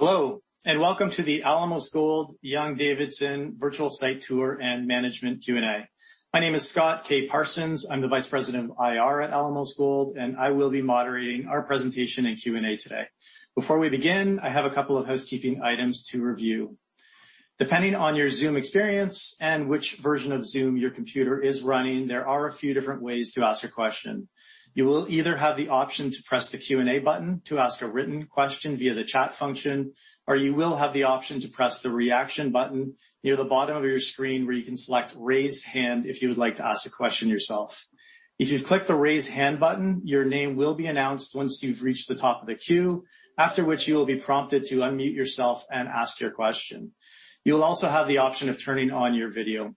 Hello, welcome to the Alamos Gold Young-Davidson Virtual Site Tour and Management Q&A. My name is Scott K. Parsons. I'm the Vice President of IR at Alamos Gold, and I will be moderating our presentation and Q&A today. Before we begin, I have a couple of housekeeping items to review. Depending on your Zoom experience and which version of Zoom your computer is running, there are a few different ways to ask a question. You will either have the option to press the Q&A button to ask a written question via the chat function, or you will have the option to press the reaction button near the bottom of your screen where you can select raise hand, if you would like to ask a question yourself. If you click the raise hand button, your name will be announced once you've reached the top of the queue, after which you will be prompted to unmute yourself and ask your question. You'll also have the option of turning on your video.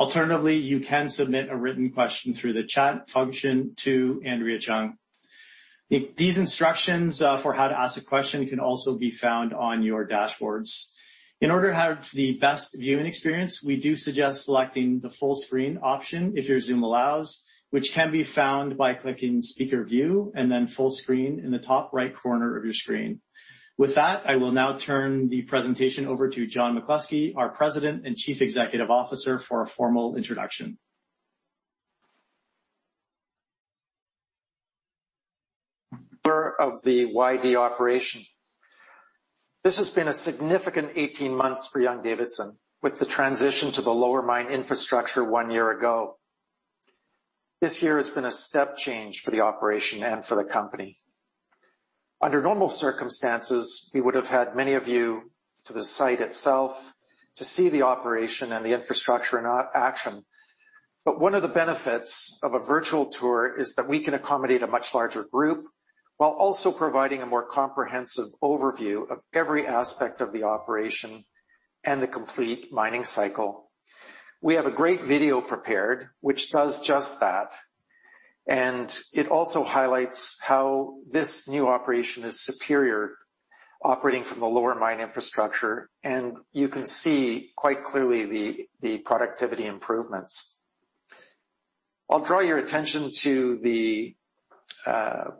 Alternatively, you can submit a written question through the chat function to Andrea Chung. These instructions for how to ask a question can also be found on your dashboards. In order to have the best viewing experience, we do suggest selecting the full screen option if your Zoom allows, which can be found by clicking speaker view and then full screen in the top-right corner of your screen. With that, I will now turn the presentation over to John McCluskey, our President and Chief Executive Officer, for a formal introduction. Of the Young-Davidson operation. This has been a significant 18 months for Young-Davidson with the transition to the lower mine infrastructure one year ago. This year has been a step change for the operation and for the company. Under normal circumstances, we would have had many of you to the site itself to see the operation and the infrastructure in action. One of the benefits of a virtual tour is that we can accommodate a much larger group while also providing a more comprehensive overview of every aspect of the operation and the complete mining cycle. We have a great video prepared, which does just that, and it also highlights how this new operation is superior operating from the lower mine infrastructure, and you can see quite clearly the productivity improvements. I'll draw your attention to the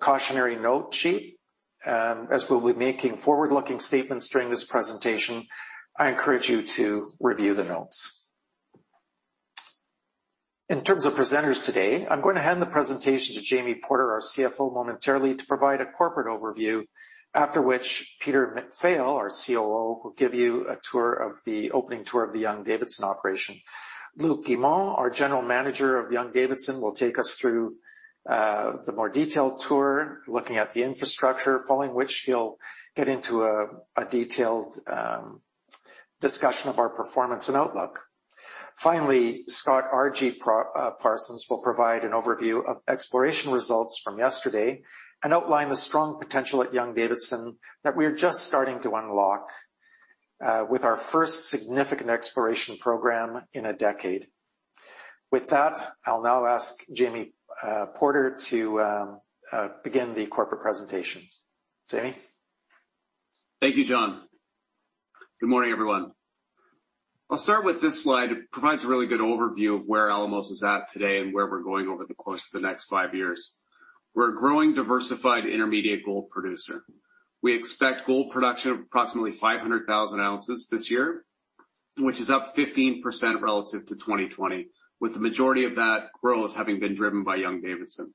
cautionary note sheet, as we'll be making forward-looking statements during this presentation, I encourage you to review the notes. In terms of presenters today, I'm going to hand the presentation to Jamie Porter, our CFO, momentarily to provide a corporate overview, after which Peter MacPhail, our COO, will give you a tour of the opening tour of the Young-Davidson operation. Luc Guimond, our General Manager of Young-Davidson, will take us through the more detailed tour, looking at the infrastructure, following which he'll get into a detailed discussion of our performance and outlook. Finally, Scott R.G. Parsons will provide an overview of exploration results from yesterday and outline the strong potential at Young-Davidson that we are just starting to unlock, with our first significant exploration program in a decade. With that, I'll now ask Jamie Porter to begin the corporate presentation. Jamie? Thank you, John. Good morning, everyone. I'll start with this slide. It provides a really good overview of where Alamos Gold is at today and where we're going over the course of the next five years. We're a growing, diversified intermediate gold producer. We expect gold production of approximately 500,000 ounces this year, which is up 15% relative to 2020, with the majority of that growth having been driven by Young-Davidson.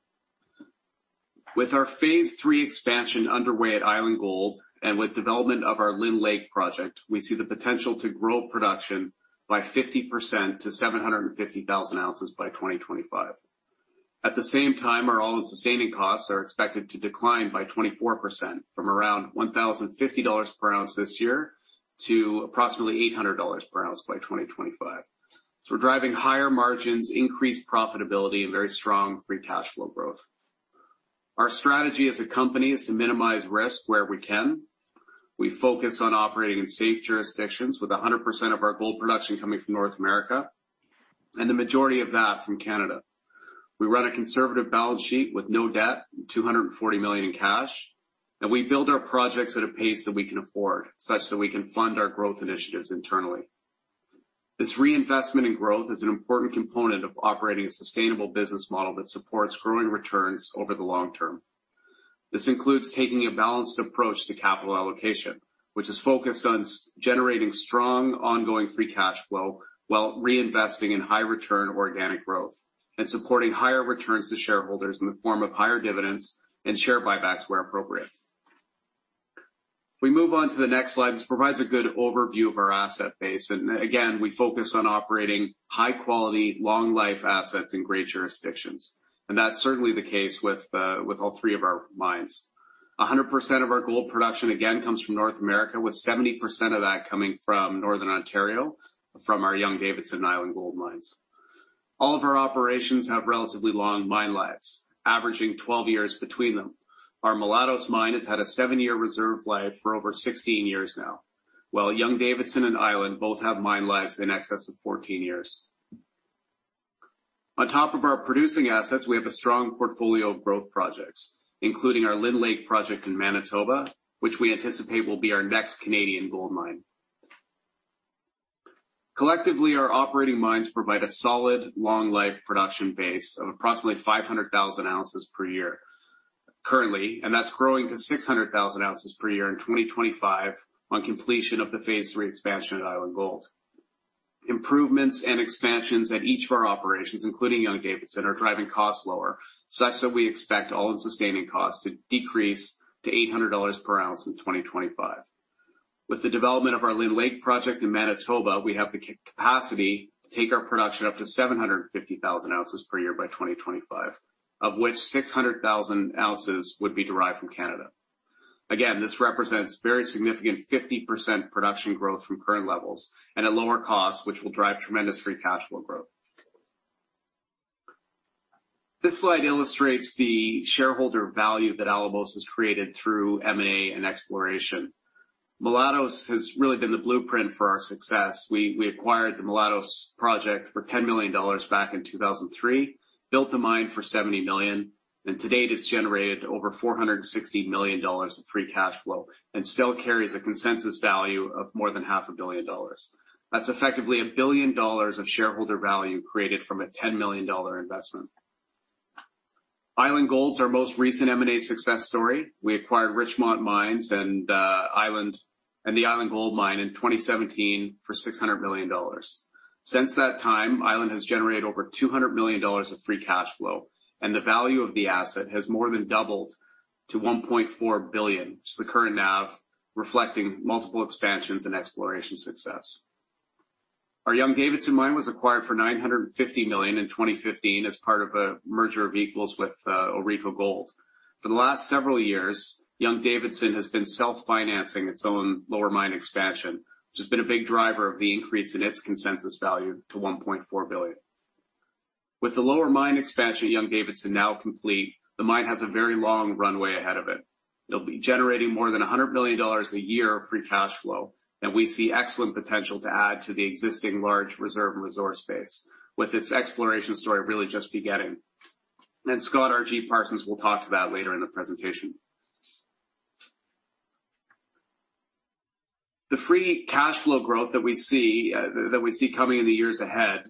With our Phase 3+ Expansion underway at Island Gold and with development of our Lynn Lake project, we see the potential to grow production by 50% to 750,000 ounces by 2025. At the same time, our all-in sustaining costs are expected to decline by 24%, from around 1,050 dollars per ounce this year to approximately 800 dollars per ounce by 2025. We're driving higher margins, increased profitability, and very strong free cash flow growth. Our strategy as a company is to minimize risk where we can. We focus on operating in safe jurisdictions with 100% of our gold production coming from North America, and the majority of that from Canada. We run a conservative balance sheet with no debt and 240 million in cash, and we build our projects at a pace that we can afford, such that we can fund our growth initiatives internally. This reinvestment in growth is an important component of operating a sustainable business model that supports growing returns over the long-term. This includes taking a balanced approach to capital allocation, which is focused on generating strong, ongoing free cash flow while reinvesting in high-return organic growth and supporting higher returns to shareholders in the form of higher dividends and share buybacks where appropriate. We move on to the next slide. This provides a good overview of our asset base. Again, we focus on operating high-quality, long-life assets in great jurisdictions, and that's certainly the case with all three of our mines. 100% of our gold production again comes from North America, with 70% of that coming from northern Ontario, from our Young-Davidson and Island Gold mines. All of our operations have relatively long mine lives, averaging 12 years between them. Our Mulatos mine has had a seven-year reserve life for over 16 years now. While Young-Davidson and Island both have mine lives in excess of 14 years. On top of our producing assets, we have a strong portfolio of growth projects, including our Lynn Lake project in Manitoba, which we anticipate will be our next Canadian gold mine. Collectively, our operating mines provide a solid long life production base of approximately 500,000 ounces per year currently, and that's growing to 600,000 ounces per year in 2025 on completion of the Phase 3+ Expansion at Island Gold. Improvements and expansions at each of our operations, including Young-Davidson, are driving costs lower such that we expect all-in sustaining costs to decrease to 800 dollars per ounce in 2025. With the development of our Lynn Lake project in Manitoba, we have the capacity to take our production up to 750,000 ounces per year by 2025, of which 600,000 ounces would be derived from Canada. Again, this represents very significant 50% production growth from current levels and a lower cost, which will drive tremendous free cash flow growth. This slide illustrates the shareholder value that Alamos has created through M&A and exploration. Mulatos has really been the blueprint for our success. We acquired the Mulatos project for 10 million dollars back in 2003, built the mine for 70 million, and today that's generated over 460 million dollars of free cash flow and still carries a consensus value of more than 500 million dollars. That's effectively 1 billion dollars of shareholder value created from a 10 million dollar investment. Island Gold's our most recent M&A success story. We acquired Richmont Mines and the Island Gold Mine in 2017 for 600 million dollars. Since that time, Island has generated over 200 million dollars of free cash flow, and the value of the asset has more than doubled to 1.4 billion, which is the current NAV reflecting multiple expansions and exploration success. Our Young-Davidson mine was acquired for 950 million in 2015 as part of a merger of equals with AuRico Gold. For the last several years, Young-Davidson has been self-financing its own lower mine expansion, which has been a big driver of the increase in its consensus value to 1.4 billion. With the lower mine expansion at Young-Davidson now complete, the mine has a very long runway ahead of it. It'll be generating more than 100 million dollars a year of free cash flow. We see excellent potential to add to the existing large reserve and resource base with its exploration story really just beginning. Scott R.G. Parsons will talk to that later in the presentation. The free cash flow growth that we see coming in the years ahead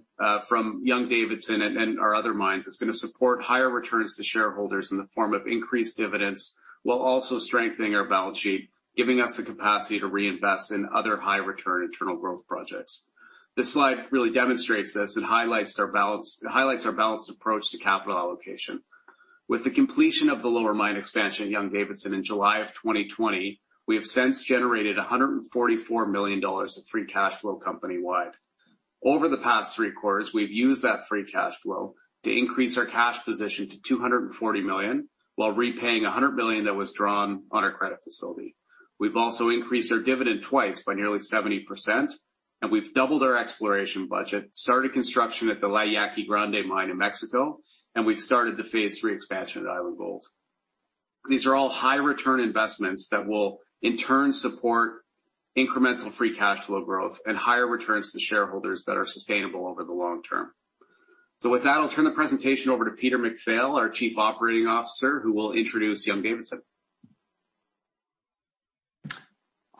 from Young-Davidson and our other mines is going to support higher returns to shareholders in the form of increased dividends while also strengthening our balance sheet, giving us the capacity to reinvest in other high return internal growth projects. This slide really demonstrates this and highlights our balanced approach to capital allocation. With the completion of the lower mine expansion at Young-Davidson in July of 2020, we have since generated 144 million dollars of free cash flow company-wide. Over the past three quarters, we've used that free cash flow to increase our cash position to 240 million while repaying 100 million that was drawn on our credit facility. We've also increased our dividend twice by nearly 70%, we've doubled our exploration budget, started construction at the La Yaqui Grande mine in Mexico, and we started the Phase 3+ Expansion at Island Gold. These are all high return investments that will in turn support incremental free cash flow growth and higher returns to shareholders that are sustainable over the long-term. With that, I'll turn the presentation over to Peter MacPhail, our Chief Operating Officer, who will introduce Young-Davidson.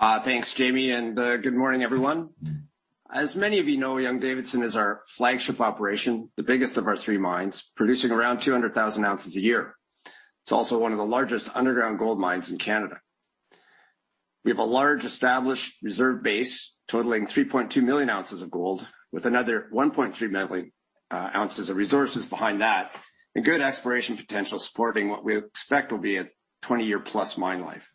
Thanks, Jamie. Good morning, everyone. As many of you know, Young-Davidson is our flagship operation, the biggest of our three mines, producing around 200,000 ounces a year. It's also one of the largest underground gold mines in Canada. We have a large established reserve base totaling 3.2 million ounces of gold with another 1.3 million ounces of resources behind that, and good exploration potential supporting what we expect will be a 20-year+ mine life.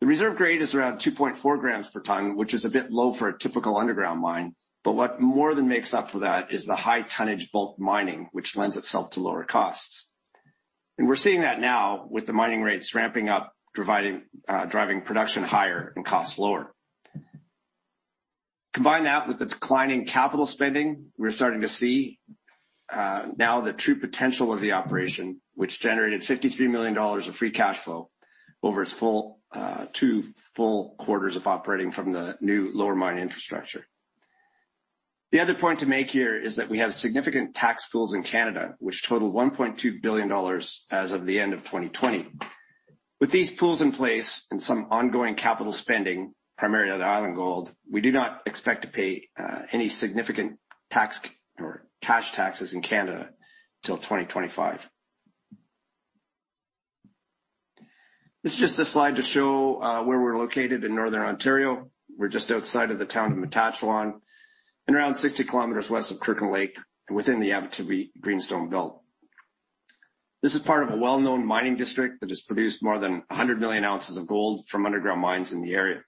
The reserve grade is around 2.4 grams per ton, which is a bit low for a typical underground mine. What more than makes up for that is the high tonnage bulk mining, which lends itself to lower costs. We're seeing that now with the mining rates ramping-up, driving production higher and costs lower. Combine that with the declining capital spending, we're starting to see now the true potential of the operation, which generated 53 million dollars of free cash flow over its two full quarters of operating from the new lower mine infrastructure. The other point to make here is that we have significant tax pools in Canada, which total 1.2 billion dollars as of the end of 2020. With these pools in place and some ongoing capital spending, primarily at Island Gold, we do not expect to pay any significant tax or cash taxes in Canada till 2025. This is just a slide to show where we're located in northern Ontario. We're just outside of the town of Matachewan and around 60 km west of Kirkland Lake and within the Abitibi Greenstone Belt. This is part of a well-known mining district that has produced more than 100 million ounces of gold from underground mines in the area.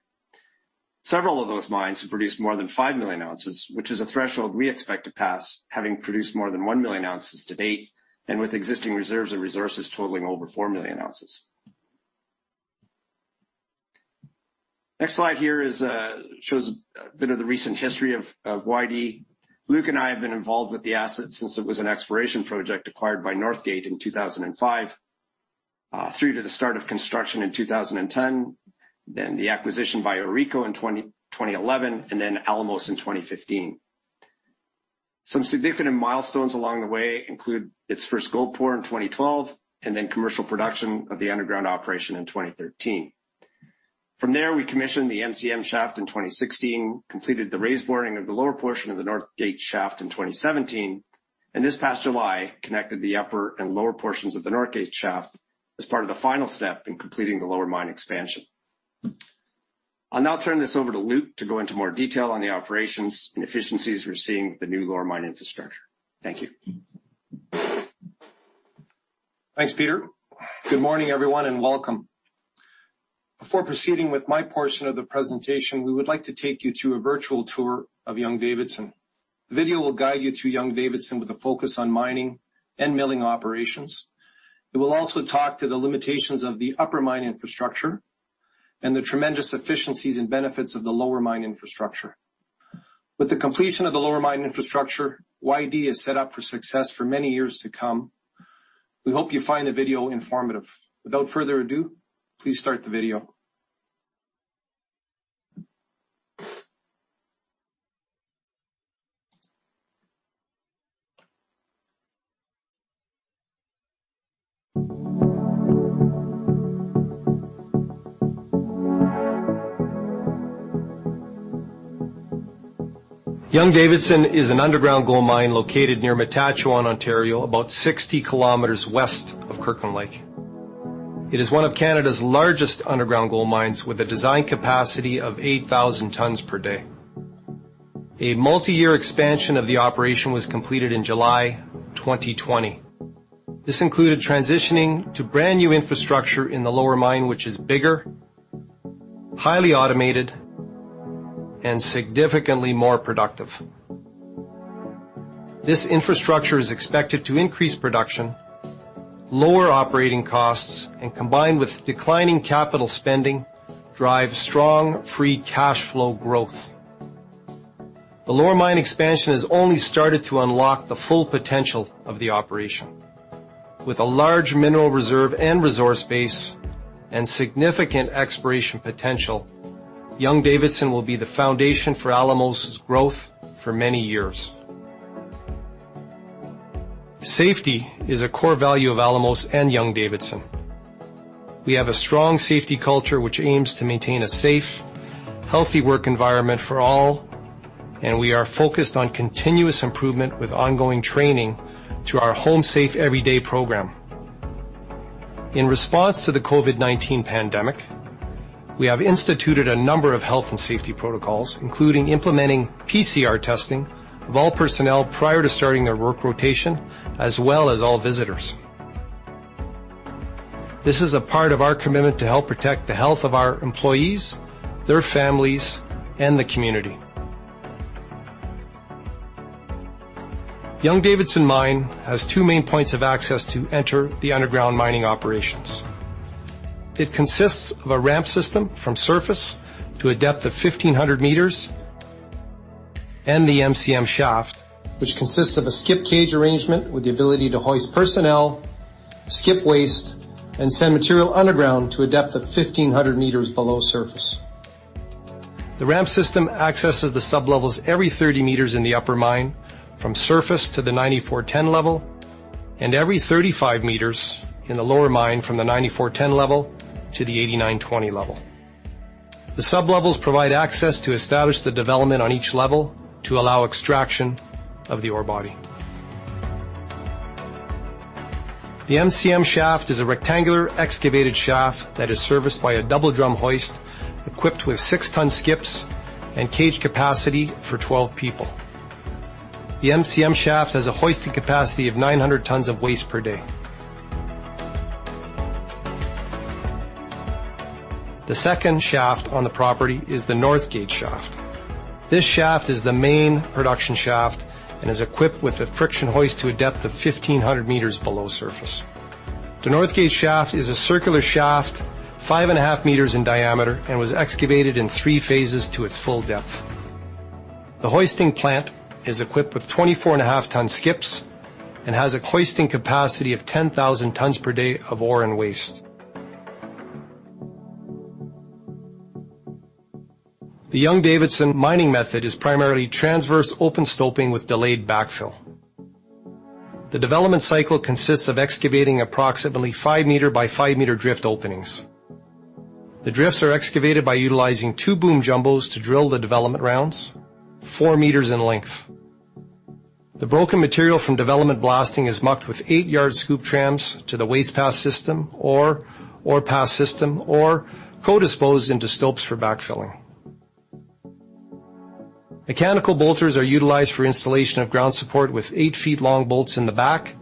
Several of those mines have produced more than 5 million ounces, which is a threshold we expect to pass, having produced more than 1 million ounces to date, and with existing reserves and resources totaling over 4 million ounces. Next slide here shows a bit of the recent history of YD. Luc and I have been involved with the asset since it was an exploration project acquired by Northgate in 2005, through to the start of construction in 2010, then the acquisition by AuRico in 2011, and then Alamos in 2015. Some significant milestones along the way include its first gold pour in 2012, and then commercial production of the underground operation in 2013. From there, we commissioned the MCM shaft in 2016, completed the raise boring of the lower portion of the Northgate shaft in 2017. This past July, connected the upper and lower portions of the Northgate shaft as part of the final step in completing the lower mine expansion. I'll now turn this over to Luc to go into more detail on the operations and efficiencies we're seeing with the new lower mine infrastructure. Thank you. Thanks, Peter. Good morning, everyone, and welcome. Before proceeding with my portion of the presentation, we would like to take you through a virtual tour of Young-Davidson. The video will guide you through Young-Davidson with a focus on mining and milling operations. It will also talk to the limitations of the upper mine infrastructure and the tremendous efficiencies and benefits of the lower mine infrastructure. With the completion of the lower mine infrastructure, YD is set up for success for many years to come. We hope you find the video informative. Without further ado, please start the video. Young-Davidson is an underground gold mine located near Matachewan, Ontario, about 60 km west of Kirkland Lake. It is one of Canada's largest underground gold mines with a design capacity of 8,000 tons per day. A multi-year expansion of the operation was completed in July 2020. This included transitioning to brand-new infrastructure in the lower mine, which is bigger, highly automated, and significantly more productive. This infrastructure is expected to increase production, lower operating costs, and combined with declining capital spending, drive strong free cash flow growth. The lower mine expansion has only started to unlock the full potential of the operation. With a large mineral reserve and resource base and significant exploration potential, Young-Davidson will be the foundation for Alamos' growth for many years. Safety is a core value of Alamos and Young-Davidson. We have a strong safety culture which aims to maintain a safe, healthy work environment for all, and we are focused on continuous improvement with ongoing training through our Home Safe Every Day program. In response to the COVID-19 pandemic, we have instituted a number of health and safety protocols, including implementing PCR testing of all personnel prior to starting their work rotation, as well as all visitors. This is a part of our commitment to help protect the health of our employees, their families, and the community. Young-Davidson mine has two main points of access to enter the underground mining operations. It consists of a ramp system from surface to a depth of 1,500 meters and the MCM shaft, which consists of a skip cage arrangement with the ability to hoist personnel, skip waste, and send material underground to a depth of 1,500 meters below surface. The ramp system accesses the sublevels every 30 meters in the upper mine from surface to the 9410 level and every 35 meters in the lower mine from the 9410 level to the 8920 level. The sublevels provide access to establish the development on each level to allow extraction of the ore body. The MCM shaft is a rectangular excavated shaft that is serviced by a double-drum hoist equipped with 6-ton skips and cage capacity for 12 people. The MCM shaft has a hoisting capacity of 900 tons of waste per day. The second shaft on the property is the Northgate shaft. This shaft is the main production shaft and is equipped with a friction hoist to a depth of 1,500 meters below surface. The Northgate shaft is a circular shaft 5.5 meters in diameter and was excavated in three phases to its full depth. The hoisting plant is equipped with 24.5-ton skips and has a hoisting capacity of 10,000 tons per day of ore and waste. The Young-Davidson mining method is primarily transverse open stoping with delayed backfill. The development cycle consists of excavating approximately 5-meter by 5-meter drift openings. The drifts are excavated by utilizing two boom jumbos to drill the development rounds 4-meters in length. The broken material from development blasting is mucked with eight-yard scoop trams to the waste pass system or ore pass system or co-disposed into stopes for backfilling. Mechanical bolters are utilized for installation of ground support with 8-ft-long bolts in the back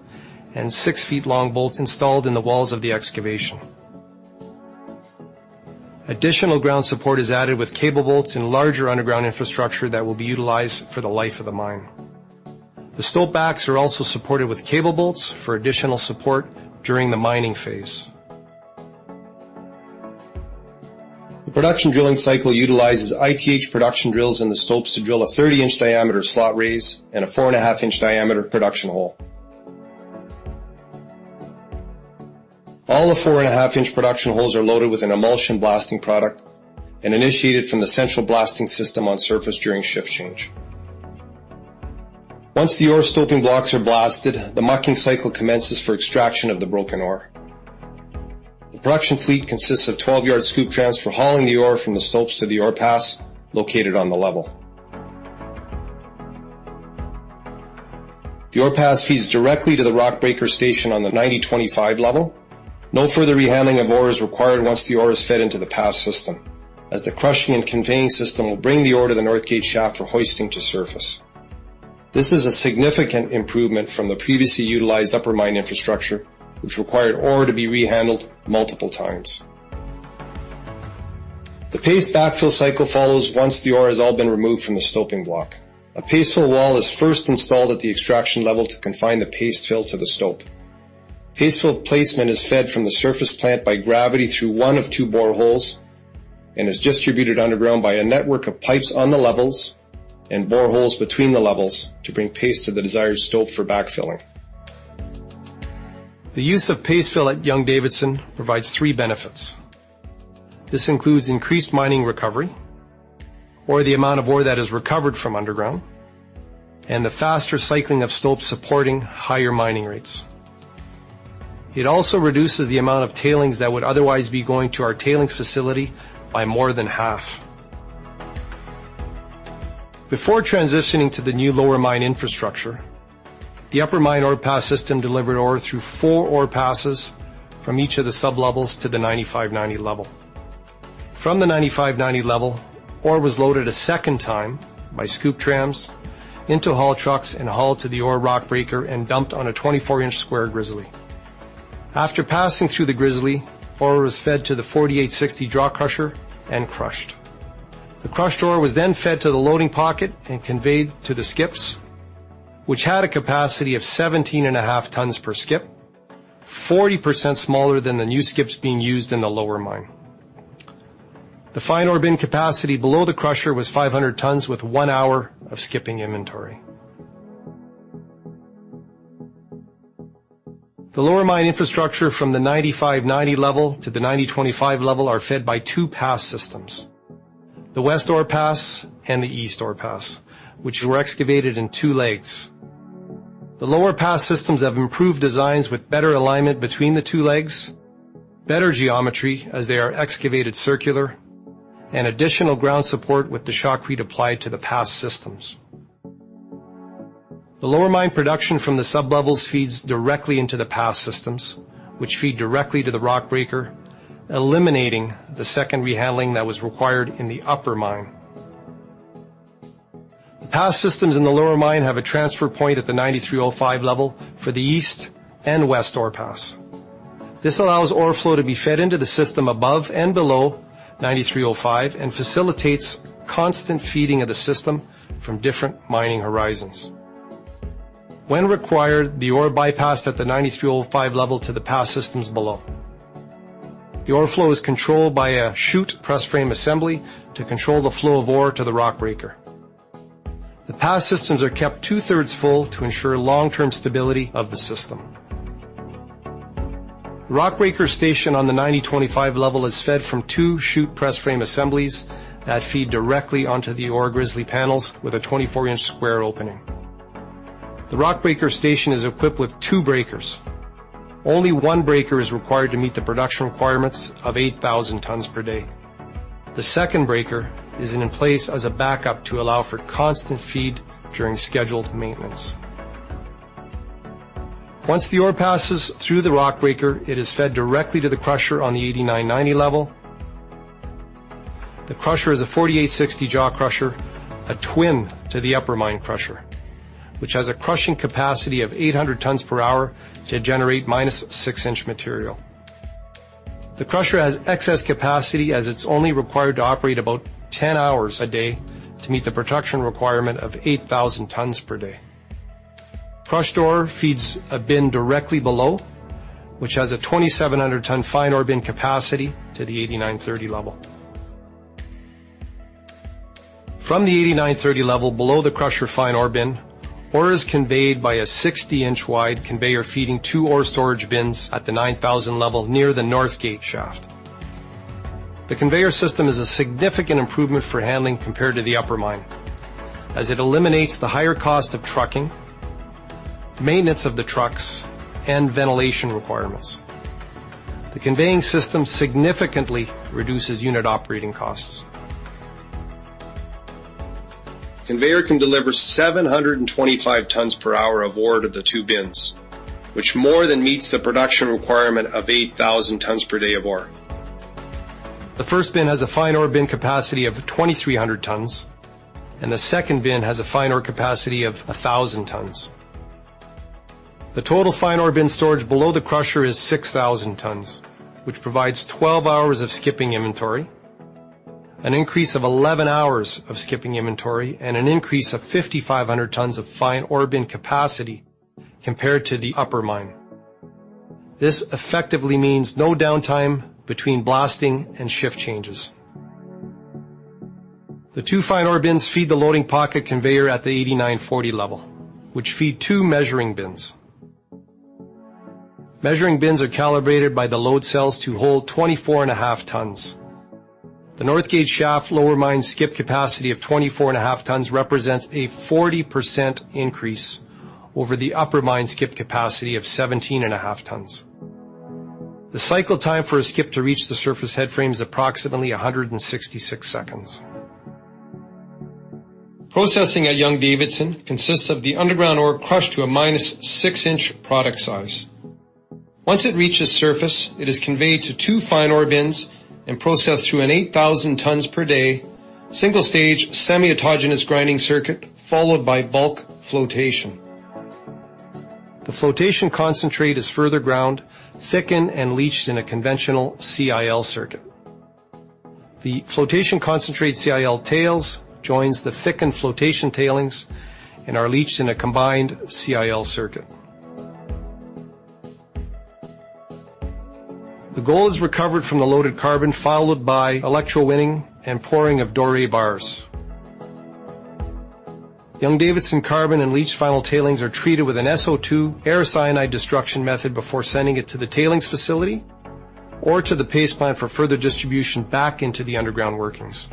and 6-ft-long bolts installed in the walls of the excavation. Additional ground support is added with cable bolts and larger underground infrastructure that will be utilized for the life of the mine. The stope backs are also supported with cable bolts for additional support during the mining phase. The production drilling cycle utilizes ITH production drills in the stopes to drill a 30-inch diameter slot raise and a 4.5-inch diameter production hole. All the 4.5-inch production holes are loaded with an emulsion blasting product and initiated from the central blasting system on surface during shift change. Once the ore stoping blocks are blasted, the mucking cycle commences for extraction of the broken ore. The production fleet consists of 12-yard scoop trams for hauling the ore from the stopes to the ore pass located on the level. The ore pass feeds directly to the rock breaker station on the 90-25 level. No further rehandling of ore is required once the ore is fed into the pass system, as the crushing and conveying system will bring the ore to the Northgate shaft for hoisting to surface. This is a significant improvement from the previously utilized upper mine infrastructure, which required ore to be rehandled multiple times. The paste backfill cycle follows once the ore has all been removed from the stoping block. A paste fill wall is first installed at the extraction level to confine the paste fill to the stope. Paste fill placement is fed from the surface plant by gravity through one of two boreholes and is distributed underground by a network of pipes on the levels and boreholes between the levels to bring paste to the desired stope for backfilling. The use of paste fill at Young-Davidson provides three benefits. This includes increased mining recovery or the amount of ore that is recovered from underground, and the faster cycling of stopes supporting higher mining rates. It also reduces the amount of tailings that would otherwise be going to our tailings facility by more than half. Before transitioning to the new lower mine infrastructure, the upper mine ore pass system delivered ore through four ore passes from each of the sublevels to the 9590 level. From the 9590 level, ore was loaded a second time by scoop trams into haul trucks and hauled to the ore rock breaker and dumped on a 24-inch square grizzly. After passing through the grizzly, ore was fed to the 4860 jaw crusher and crushed. The crushed ore was fed to the loading pocket and conveyed to the skips, which had a capacity of 17.5 tons per skip, 40% smaller than the new skips being used in the lower mine. The fine ore bin capacity below the crusher was 500 tons with one hour of skipping inventory. The lower mine infrastructure from the 9590 level to the 90-25 level are fed by two pass systems, the west ore pass and the east ore pass, which were excavated in two legs. The lower pass systems have improved designs with better alignment between the two legs, better geometry as they are excavated circular, and additional ground support with the shotcrete applied to the pass systems. The lower mine production from the sublevels feeds directly into the pass systems, which feed directly to the rock breaker, eliminating the second rehandling that was required in the upper mine. The pass systems in the lower mine have a transfer point at the 9305 level for the east and west ore pass. This allows ore flow to be fed into the system above and below 9305 and facilitates constant feeding of the system from different mining horizons. When required, the ore bypassed at the 9305 level to the pass systems below. The ore flow is controlled by a chute press frame assembly to control the flow of ore to the rock breaker. The pass systems are kept two-thirds full to ensure long-term stability of the system. The rock breaker station on the 90-25 level is fed from two chute press frame assemblies that feed directly onto the ore grizzly panels with a 24-inch square opening. The rock breaker station is equipped with two breakers. Only one breaker is required to meet the production requirements of 8,000 tons per day. The second breaker is in place as a backup to allow for constant feed during scheduled maintenance. Once the ore passes through the rock breaker, it is fed directly to the crusher on the 8990 level. The crusher is a 4860 jaw crusher, a twin to the upper mine crusher, which has a crushing capacity of 800 tons per hour to generate -6 inch material. The crusher has excess capacity as it's only required to operate about 10 hours a day to meet the production requirement of 8,000 tons per day. Crushed ore feeds a bin directly below, which has a 2,700-ton fine ore bin capacity to the 8930 level. From the 8930 level below the crusher fine ore bin, ore is conveyed by a 60-inch wide conveyor feeding two ore storage bins at the 9000 level near the Northgate shaft. The conveyor system is a significant improvement for handling compared to the upper mine, as it eliminates the higher cost of trucking, maintenance of the trucks, and ventilation requirements. The conveying system significantly reduces unit operating costs. The conveyor can deliver 725 tons per hour of ore to the two bins, which more than meets the production requirement of 8,000 tons per day of ore. The first bin has a fine ore bin capacity of 2,300 tons, and the second bin has a fine ore capacity of 1,000 tons. The total fine ore bin storage below the crusher is 6,000 tons, which provides 12 hours of skipping inventory, an increase of 11 hours of skipping inventory, and an increase of 5,500 tons of fine ore bin capacity compared to the upper mine. This effectively means no downtime between blasting and shift changes. The two fine ore bins feed the loading pocket conveyor at the 8940 level, which feed two measuring bins. Measuring bins are calibrated by the load cells to hold 24.5 tons. The Northgate Shaft lower mine skip capacity of 24.5 tons represents a 40% increase over the upper mine skip capacity of 17.5 tons. The cycle time for a skip to reach the surface headframe is approximately 166 seconds. Processing at Young-Davidson consists of the underground ore crushed to a -6 inch product size. Once it reaches surface, it is conveyed to two fine ore bins and processed through an 8,000 tons per day single stage semi-autogenous grinding circuit, followed by bulk flotation. The flotation concentrate is further ground, thickened, and leached in a conventional CIL circuit. The flotation concentrate CIL tails joins the thickened flotation tailings and are leached in a combined CIL circuit. The gold is recovered from the loaded carbon, followed by electrowinning and pouring of doré bars. Young-Davidson carbon and leach final tailings are treated with an SO2 air cyanide destruction method before sending it to the tailings facility or to the paste plant for further distribution back into the underground workings.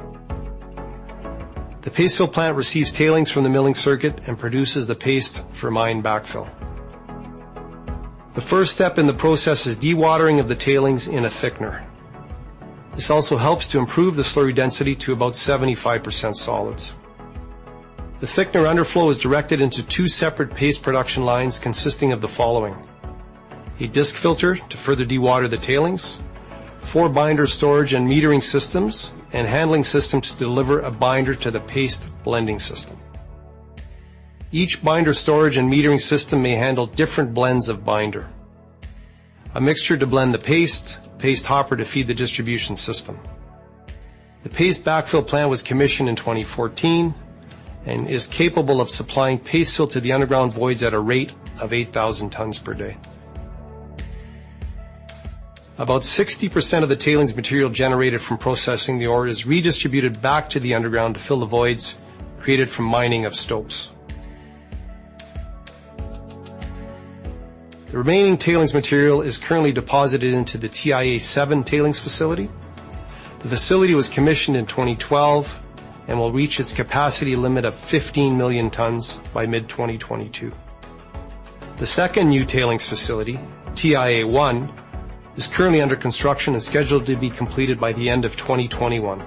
The paste fill plant receives tailings from the milling circuit and produces the paste for mine backfill. The first step in the process is dewatering of the tailings in a thickener. This also helps to improve the slurry density to about 75% solids. The thickener underflow is directed into two separate paste production lines consisting of the following. A disc filter to further dewater the tailings, four binder storage and metering systems, handling systems to deliver a binder to the paste blending system. Each binder storage and metering system may handle different blends of binder. A mixer to blend the paste, paste hopper to feed the distribution system. The paste backfill plant was commissioned in 2014 and is capable of supplying paste fill to the underground voids at a rate of 8,000 tons per day. About 60% of the tailings material generated from processing the ore is redistributed back to the underground to fill the voids created from mining of stopes. The remaining tailings material is currently deposited into the TIA-7 tailings facility. The facility was commissioned in 2012 and will reach its capacity limit of 15 million tons by mid-2022. The second new tailings facility, TIA-1, is currently under construction and scheduled to be completed by the end of 2021.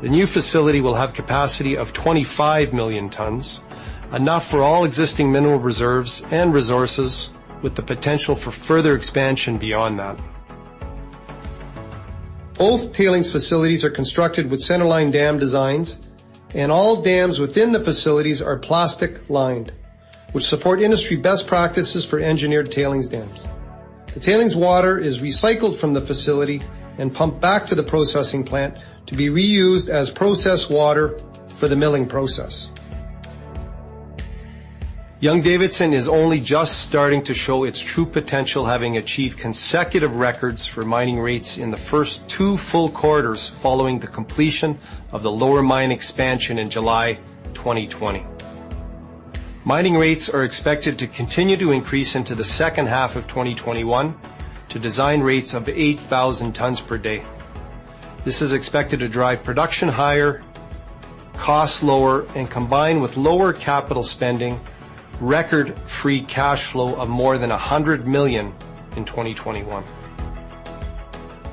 The new facility will have capacity of 25 million tons, enough for all existing mineral reserves and resources with the potential for further expansion beyond that. Both tailings facilities are constructed with centerline dam designs, and all dams within the facilities are plastic lined, which support industry best practices for engineered tailings dams. The tailings water is recycled from the facility and pumped back to the processing plant to be reused as process water for the milling process. Young-Davidson is only just starting to show its true potential, having achieved consecutive records for mining rates in the first two full quarters following the completion of the lower mine expansion in July 2020. Mining rates are expected to continue to increase into the second half of 2021 to design rates of 8,000 tons per day. This is expected to drive production higher, costs lower, and combined with lower capital spending, record free cash flow of more than 100 million in 2021.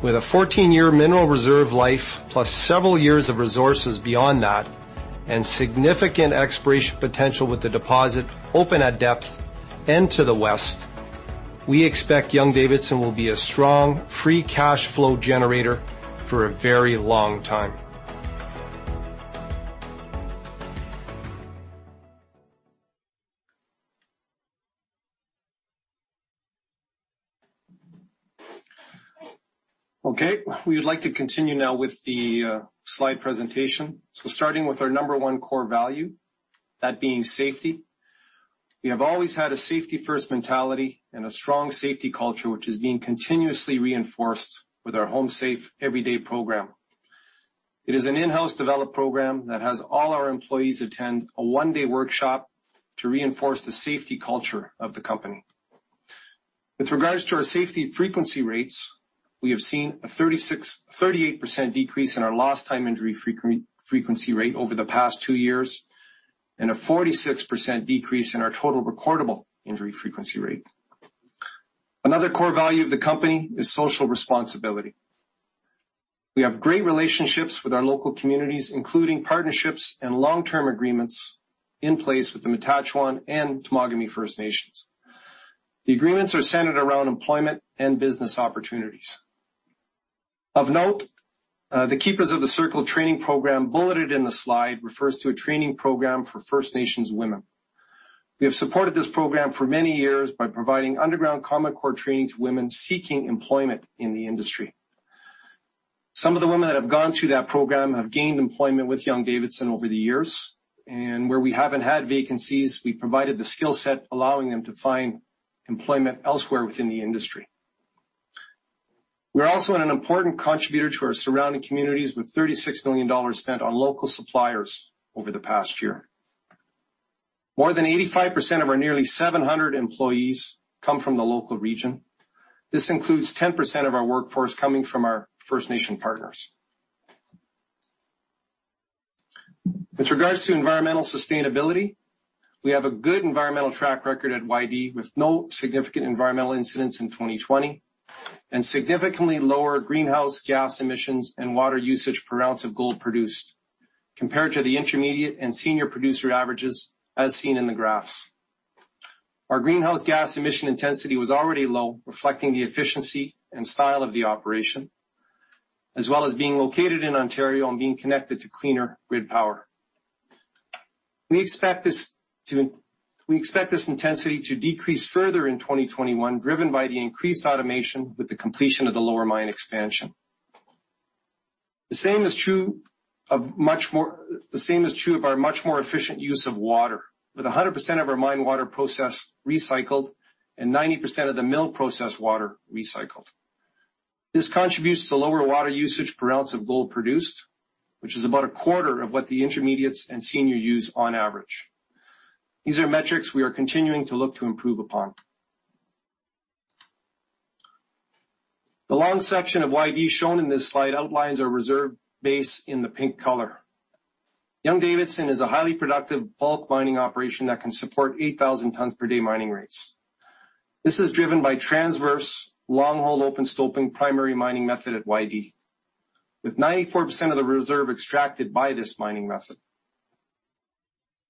With a 14-year mineral reserve life plus several years of resources beyond that and significant exploration potential with the deposit open at depth and to the west, we expect Young-Davidson will be a strong free cash flow generator for a very long time. Okay, we'd like to continue now with the slide presentation. Starting with our number one core value, that being safety. We have always had a safety first mentality and a strong safety culture, which is being continuously reinforced with our Home Safe Every Day program. It is an in-house developed program that has all our employees attend a one-day workshop to reinforce the safety culture of the company. With regards to our safety frequency rates, we have seen a 38% decrease in our lost time injury frequency rate over the past two years and a 46% decrease in our total recordable injury frequency rate. Another core value of the company is social responsibility. We have great relationships with our local communities, including partnerships and long-term agreements in place with the Matachewan and Temagami First Nations. The agreements are centered around employment and business opportunities. Of note, the Keepers of the Circle training program bulleted in the slide refers to a training program for First Nations women. We have supported this program for many years by providing underground core training to women seeking employment in the industry. Some of the women that have gone through that program have gained employment with Young-Davidson over the years, and where we haven't had vacancies, we provided the skill set allowing them to find employment elsewhere within the industry. We're also an important contributor to our surrounding communities with 36 million dollars spent on local suppliers over the past year. More than 85% of our nearly 700 employees come from the local region. This includes 10% of our workforce coming from our First Nation partners. With regards to environmental sustainability, we have a good environmental track record at YD, with no significant environmental incidents in 2020, and significantly lower greenhouse gas emissions and water usage per ounce of gold produced compared to the intermediate and senior producer averages, as seen in the graphs. Our greenhouse gas emission intensity was already low, reflecting the efficiency and style of the operation, as well as being located in Ontario and being connected to cleaner grid power. We expect this intensity to decrease further in 2021, driven by the increased automation with the completion of the lower mine expansion. The same is true of our much more efficient use of water, with 100% of our mine water process recycled and 90% of the mill process water recycled. This contributes to lower water usage per ounce of gold produced, which is about a quarter of what the intermediates and senior use on average. These are metrics we are continuing to look to improve upon. The long section of YD shown in this slide outlines our reserve base in the pink color. Young-Davidson is a highly productive bulk mining operation that can support 8,000 tons per day mining rates. This is driven by transverse, long-hole open stoping primary mining method at YD, with 94% of the reserve extracted by this mining method.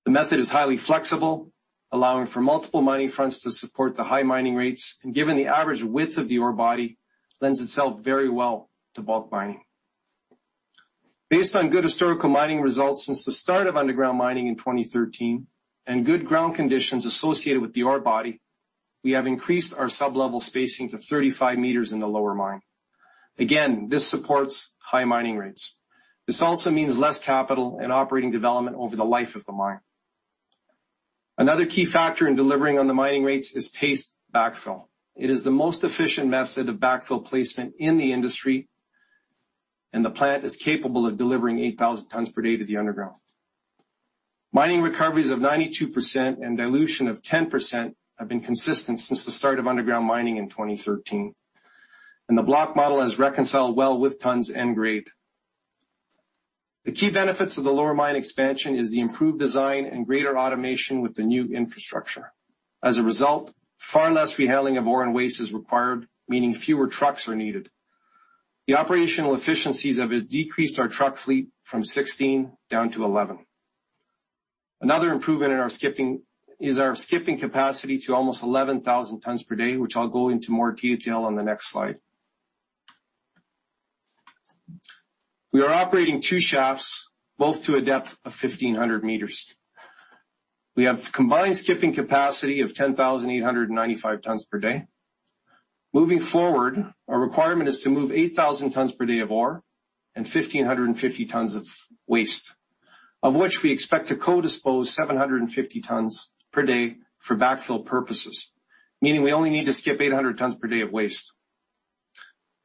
The method is highly flexible, allowing for multiple mining fronts to support the high mining rates, and given the average width of the ore body, lends itself very well to bulk mining. Based on good historical mining results since the start of underground mining in 2013 and good ground conditions associated with the ore body, we have increased our sub-level spacing to 35 meters in the lower mine. Again, this supports high mining rates. This also means less capital and operating development over the life of the mine. Another key factor in delivering on the mining rates is paste backfill. It is the most efficient method of backfill placement in the industry, and the plant is capable of delivering 8,000 tonnes per day to the underground. Mining recoveries of 92% and dilution of 10% have been consistent since the start of underground mining in 2013, and the block model has reconciled well with tons and grade. The key benefits of the lower mine expansion is the improved design and greater automation with the new infrastructure. As a result, far less rehandling of ore and waste is required, meaning fewer trucks are needed. The operational efficiencies have decreased our truck fleet from 16 down to 11. Another improvement is our skipping capacity to almost 11,000 tons per day, which I'll go into more detail on the next slide. We are operating two shafts, both to a depth of 1,500 meters. We have a combined skipping capacity of 10,895 tons per day. Moving forward, our requirement is to move 8,000 tonnes per day of ore and 1,550 tonnes of waste, of which we expect to co-dispose 750 tonnes per day for backfill purposes, meaning we only need to skip 800 tonnes per day of waste.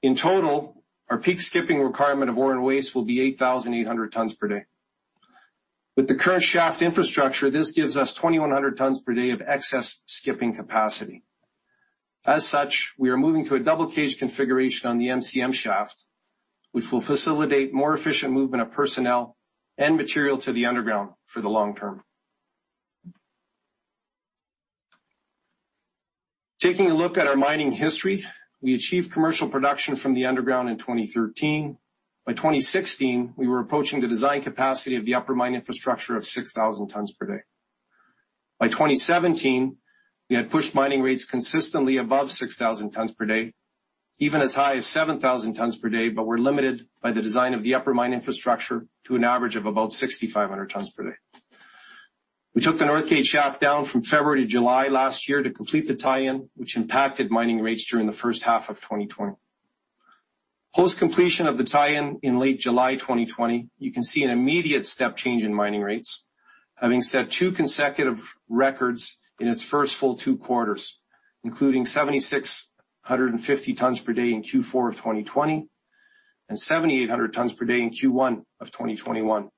In total, our peak skipping requirement of ore and waste will be 8,800 tonnes per day. With the current shaft infrastructure, this gives us 2,100 tonnes per day of excess skipping capacity. We are moving to a double cage configuration on the MCM shaft, which will facilitate more efficient movement of personnel and material to the underground for the long-term. Taking a look at our mining history, we achieved commercial production from the underground in 2013. By 2016, we were approaching the design capacity of the upper mine infrastructure of 6,000 tonnes per day. By 2017, we had pushed mining rates consistently above 6,000 tonnes per day, even as high as 7,000 tonnes per day, but were limited by the design of the upper mine infrastructure to an average of about 6,500 tonnes per day. We took the Northgate shaft down from February to July last year to complete the tie-in, which impacted mining rates during the first half of 2020. Post completion of the tie-in, in late July 2020, you can see an immediate step change in mining rates, having set two consecutive records in its first full two quarters, including 7,650 tonnes per day in Q4 of 2020 and 7,800 tonnes per day in Q1 of 2021.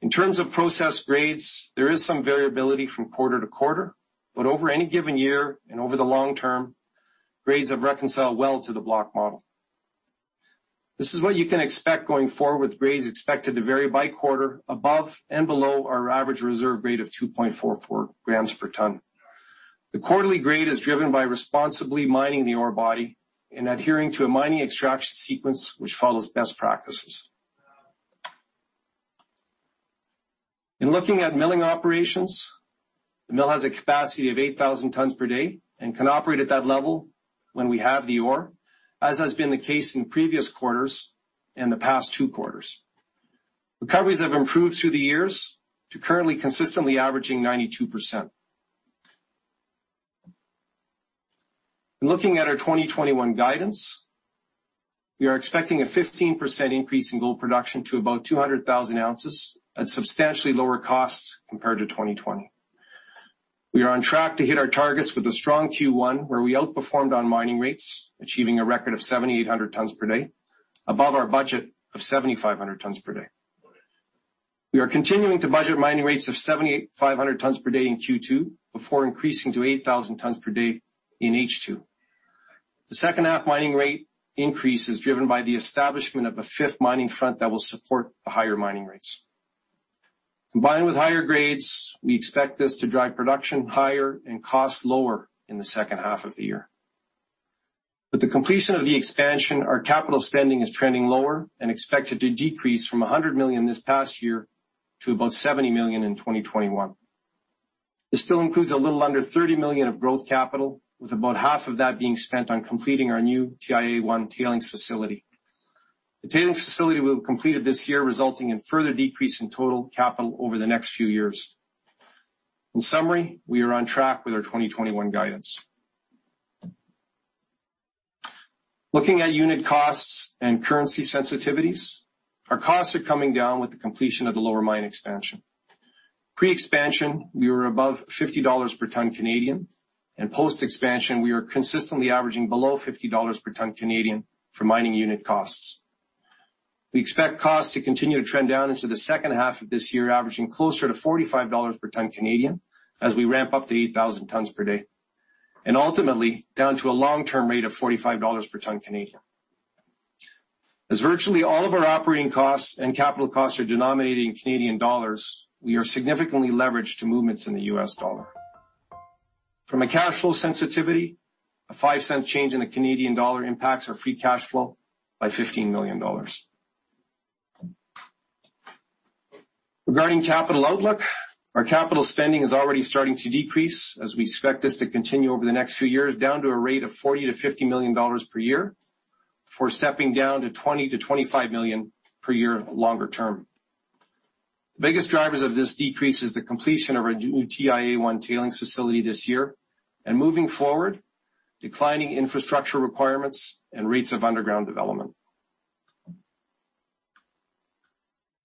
In terms of processed grades, there is some variability from quarter-to-quarter, but over any given year and over the long-term, grades have reconciled well to the block model. This is what you can expect going forward with grades expected to vary by quarter above and below our average reserve grade of 2.44 grams per tonne. The quarterly grade is driven by responsibly mining the ore body and adhering to a mining extraction sequence which follows best practices. In looking at milling operations, the mill has a capacity of 8,000 tonnes per day and can operate at that level when we have the ore, as has been the case in previous quarters and the past two quarters. Recoveries have improved through the years to currently consistently averaging 92%. In looking at our 2021 guidance. We are expecting a 15% increase in gold production to about 200,000 ounces at substantially lower costs compared to 2020. We are on track to hit our targets with a strong Q1, where we outperformed on mining rates, achieving a record of 7,800 tons per day above our budget of 7,500 tons per day. We are continuing to budget mining rates of 7,500 tons per day in Q2 before increasing to 8,000 tons per day in H2. The second half mining rate increase is driven by the establishment of a fifth mining front that will support the higher mining rates. Combined with higher grades, we expect this to drive production higher and costs lower in the second half of the year. With the completion of the expansion, our capital spending is trending lower and expected to decrease from 100 million this past year to about 70 million in 2021. This still includes a little under 30 million of growth capital, with about half of that being spent on completing our new TIA-1 tailings facility. The tailings facility will be completed this year, resulting in a further decrease in total capital over the next few years. In summary, we are on track with our 2021 guidance. Looking at unit costs and currency sensitivities, our costs are coming down with the completion of the lower mine expansion. Pre-expansion, we were above 50 dollars per ton, post-expansion, we are consistently averaging below 50 dollars per ton for mining unit costs. We expect costs to continue to trend down into the second half of this year, averaging closer to 45 dollars per ton as we ramp-up to 8,000 tons per day, ultimately down to a long-term rate of 45 dollars per ton. As virtually all of our operating costs and capital costs are denominated in Canadian dollars, we are significantly leveraged to movements in the U.S. dollar. From a cash flow sensitivity, a 0.05 change in the Canadian dollar impacts our free cash flow by $15 million. Regarding capital outlook, our capital spending is already starting to decrease as we expect this to continue over the next few years, down to a rate of 40 million-50 million dollars per year before stepping down to 20 million-25 million per year longer-term. The biggest drivers of this decrease is the completion of our new TIA-1 tailings facility this year and moving forward, declining infrastructure requirements and rates of underground development.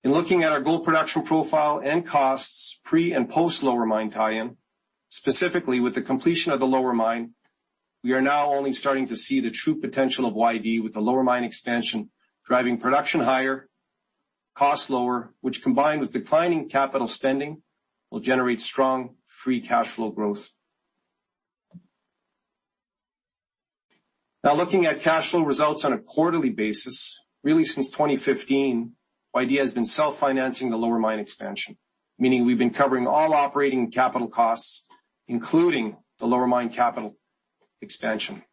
In looking at our gold production profile and costs pre and post lower mine tie-in, specifically with the completion of the lower mine, we are now only starting to see the true potential of YD with the lower mine expansion, driving production higher, cost lower, which combined with declining capital spending, will generate strong free cash flow growth. Looking at cash flow results on a quarterly basis, really since 2015, YD has been self-financing the lower mine expansion, meaning we've been covering all operating capital costs, including the lower mine capital expansion.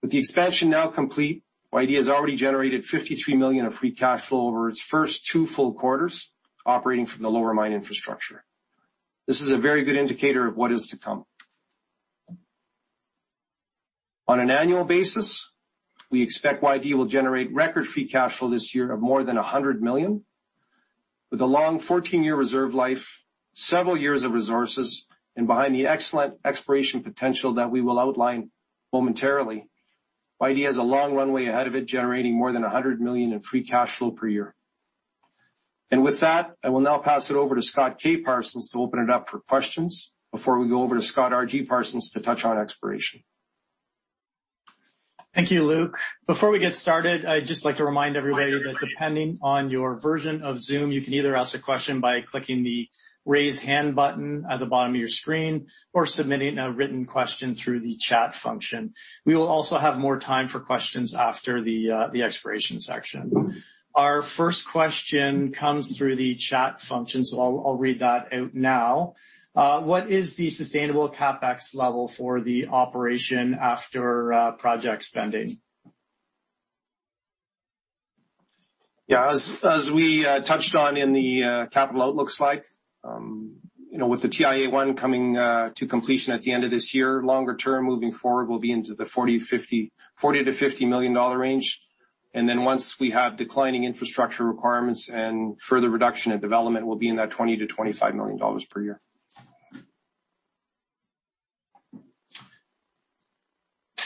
With the expansion now complete, YD has already generated 53 million of free cash flow over its first two full quarters operating from the lower mine infrastructure. This is a very good indicator of what is to come. On an annual basis, we expect YD will generate record free cash flow this year of more than 100 million. With a long 14-year reserve life, several years of resources, and behind the excellent exploration potential that we will outline momentarily, YD has a long runway ahead of it, generating more than 100 million in free cash flow per year. With that, I will now pass it over to Scott K. Parsons to open it up for questions before we go over to Scott R.G. Parsons to touch on exploration. Thank you, Luc. Before we get started, I'd just like to remind everybody that depending on your version of Zoom, you can either ask a question by clicking the raise hand button at the bottom of your screen or submitting a written question through the chat function. We will also have more time for questions after the exploration section. Our first question comes through the chat function, so I'll read that out now. What is the sustainable CapEx level for the operation after project spending? Yeah. As we touched on in the capital outlook slide, with the TIA-1 coming to completion at the end of this year, longer-term moving forward, we'll be into the 40 million-50 million dollar range. Then once we have declining infrastructure requirements and further reduction in development, we'll be in that 20 million-25 million dollars per year.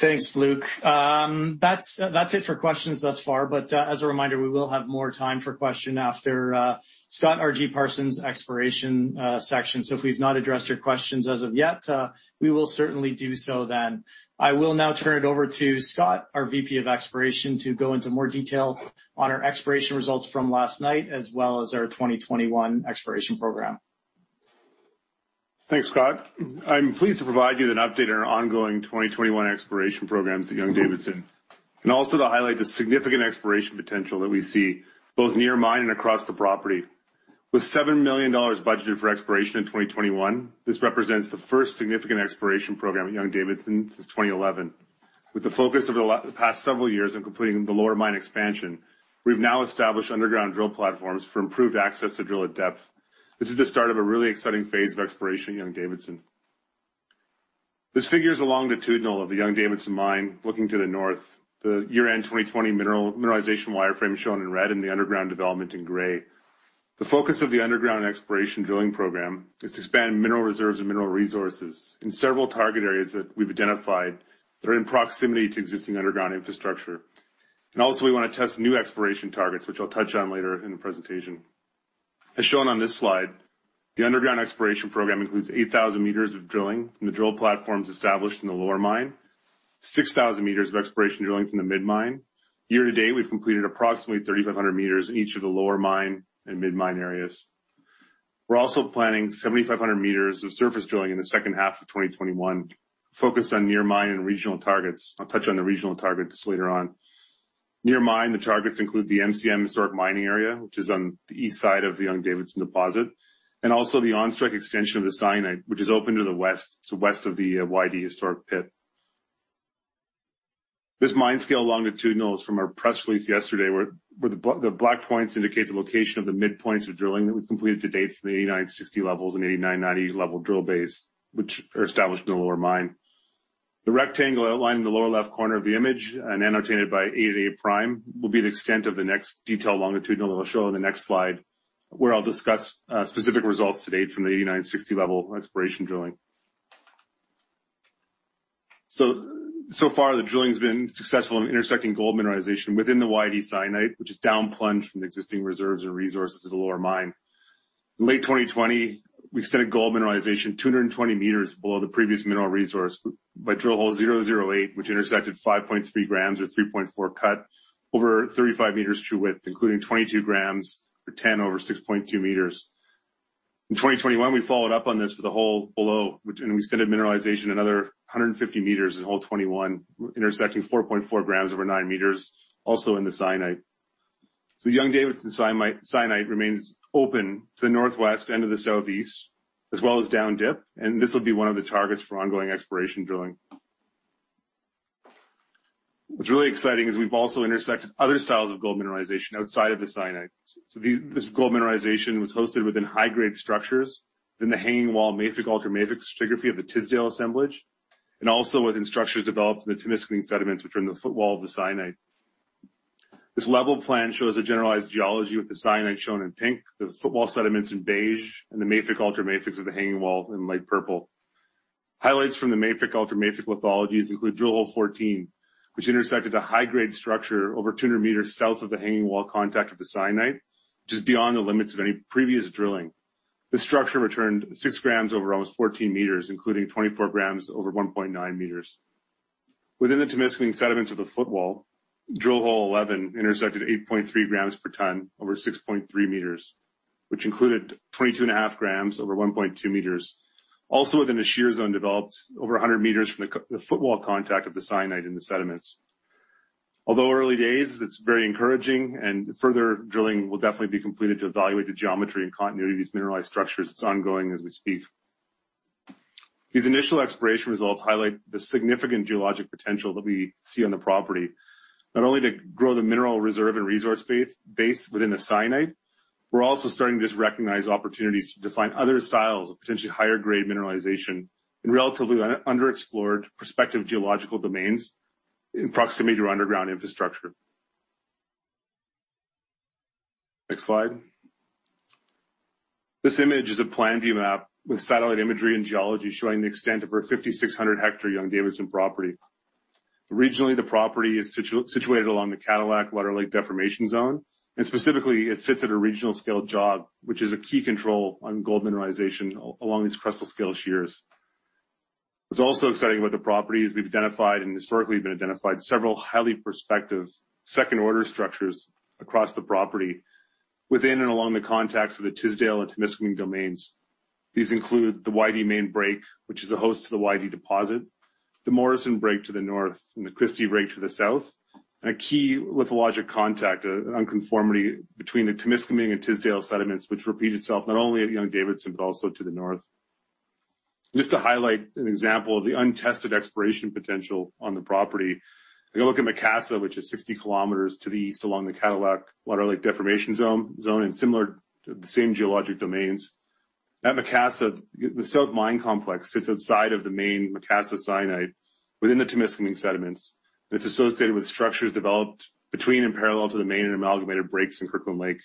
Thanks, Luc. That's it for questions thus far. As a reminder, we will have more time for questions after Scott R.G. Parsons' exploration section. If we've not addressed your questions as of yet, we will certainly do so then. I will now turn it over to Scott, our Vice President, Exploration, to go into more detail on our exploration results from last night as well as our 2021 exploration program. Thanks, Scott. I'm pleased to provide you with an update on our ongoing 2021 exploration programs at Young-Davidson, and also to highlight the significant exploration potential that we see both near mine and across the property. With 7 million dollars budgeted for exploration in 2021, this represents the first significant exploration program at Young-Davidson since 2011. With the focus of the past several years on completing the lower mine expansion, we've now established underground drill platforms for improved access to drill at depth. This is the start of a really exciting phase of exploration at Young-Davidson. This figure is a longitudinal of the Young-Davidson mine looking to the north. The year-end 2020 mineralization wireframe shown in red and the underground development in gray. The focus of the underground exploration drilling program is to expand mineral reserves and mineral resources in several target areas that we've identified that are in proximity to existing underground infrastructure. Also, we want to test new exploration targets, which I'll touch on later in the presentation. As shown on this slide, the underground exploration program includes 8,000 meters of drilling from the drill platforms established in the lower mine, 6,000 meters of exploration drilling from the mid-mine. Year-to-date, we've completed approximately 3,500 meters in each of the lower mine and mid-mine areas. We're also planning 7,500 meters of surface drilling in the second half of 2021, focused on near mine and regional targets. I'll touch on the regional targets later on. Near mine, the targets include the MCM historic mining area, which is on the east side of the Young-Davidson deposit, and also the on-strike extension of the syenite, which is open to the west, so west of the YD historic pit. This mine-scale longitudinal is from our press release yesterday, where the black points indicate the location of the midpoints of drilling that we've completed to date from the 8960 levels and 8990 level drill base, which are established in the lower mine. The rectangle outlined in the lower left corner of the image and annotated by 8A prime will be the extent of the next detail longitudinal I'll show on the next slide, where I'll discuss specific results to date from the 8960 level exploration drilling. Far, the drilling's been successful in intersecting gold mineralization within the YD syenite, which is down plunge from the existing reserves and resources of the lower mine. In late 2020, we say gold mineralization 220 meters below the previous mineral resource by drill hole 008, which intersected 5.3 grams of 3.4 cut over 35 meters true width, including 22 grams or 10 over 6.2 meters. In 2021, we followed-up on this with a hole below, and we set a mineralization another 150 meters in hole 21, intersecting 4.4 grams over 9 meters, also in the syenite. Young-Davidson syenite remains open to the northwest and to the southeast, as well as down dip, and this will be one of the targets for ongoing exploration drilling. What's really exciting is we've also intersected other styles of gold mineralization outside of the syenite. This gold mineralization was hosted within high-grade structures within the hanging wall mafic-ultramafic stratigraphy of the Tisdale assemblage, and also within structures developed in the Temiskaming sediments, which are in the footwall of the syenite. This level plan shows a generalized geology with the syenite shown in pink, the footwall sediments in beige, and the mafic-ultramafic of the hanging wall in light purple. Highlights from the mafic-ultramafic lithologies include drill hole 14, which intersected a high-grade structure over 200 meters south of the hanging wall contact of the syenite, just beyond the limits of any previous drilling. This structure returned 6 grams over almost 14 meters, including 24 grams over 1.9 meters. Within the Temiskaming sediments of the footwall, drill hole 11 intersected 8.3 grams per tonne over 6.3 meters, which included 22.5 grams over 1.2 meters. Also within the shear zone, developed over 100 meters from the footwall contact of the syenite in the sediments. Although early days, it's very encouraging, and further drilling will definitely be completed to evaluate the geometry and continuity of these mineralized structures. It's ongoing as we speak. These initial exploration results highlight the significant geologic potential that we see on the property. Not only to grow the mineral reserve and resource base within the syenite, we're also starting to recognize opportunities to define other styles of potentially higher-grade mineralization in relatively underexplored prospective geological domains in proximity to underground infrastructure. Next slide. This image is a plan view map with satellite imagery and geology showing the extent of our 5,600-hectare Young-Davidson property. Originally, the property is situated along the Cadillac-Larder Lake deformation zone, and specifically, it sits at a regional scale jog, which is a key control on gold mineralization along these crustal scale shears. What's also exciting about the property is we've identified and historically been identified several highly prospective second-order structures across the property within and along the contacts of the Tisdale and Temiskaming domains. These include the YD main break, which is a host to the YD deposit, the Morrison break to the north, and the Christie break to the south, and a key lithologic contact, an unconformity between the Temiskaming and Tisdale sediments, which repeat itself not only at Young-Davidson, but also to the north. Just to highlight an example of the untested exploration potential on the property, if you look at Macassa, which is 60 kilometers to the east along the Cadillac-Larder Lake deformation zone, and similar to the same geologic domains. At Macassa, the south mine complex sits inside of the main Macassa syenite within the Timiskaming sediments that is associated with structures developed between and parallel to the Main and Amalgamated Breaks in Kirkland Lake.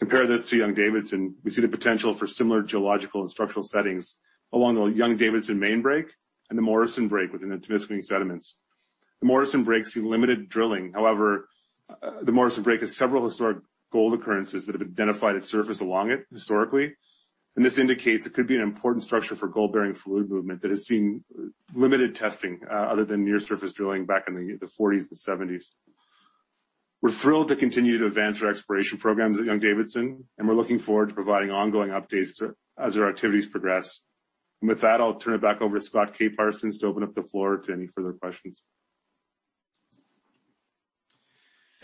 Compare this to Young-Davidson, we see the potential for similar geological and structural settings along the Young-Davidson main break and the Morrison break within the Timiskaming sediments. The Morrison break has seen limited drilling. However, the Morrison break has several historic gold occurrences that have identified its surface along it historically, and this indicates it could be an important structure for gold-bearing fluid movement that has seen limited testing other than near-surface drilling back in the 1940s and 1970s. We're thrilled to continue to advance our exploration programs at Young-Davidson, and we're looking forward to providing ongoing updates as our activities progress. With that, I'll turn it back over to Scott K. Parsons to open up the floor to any further questions.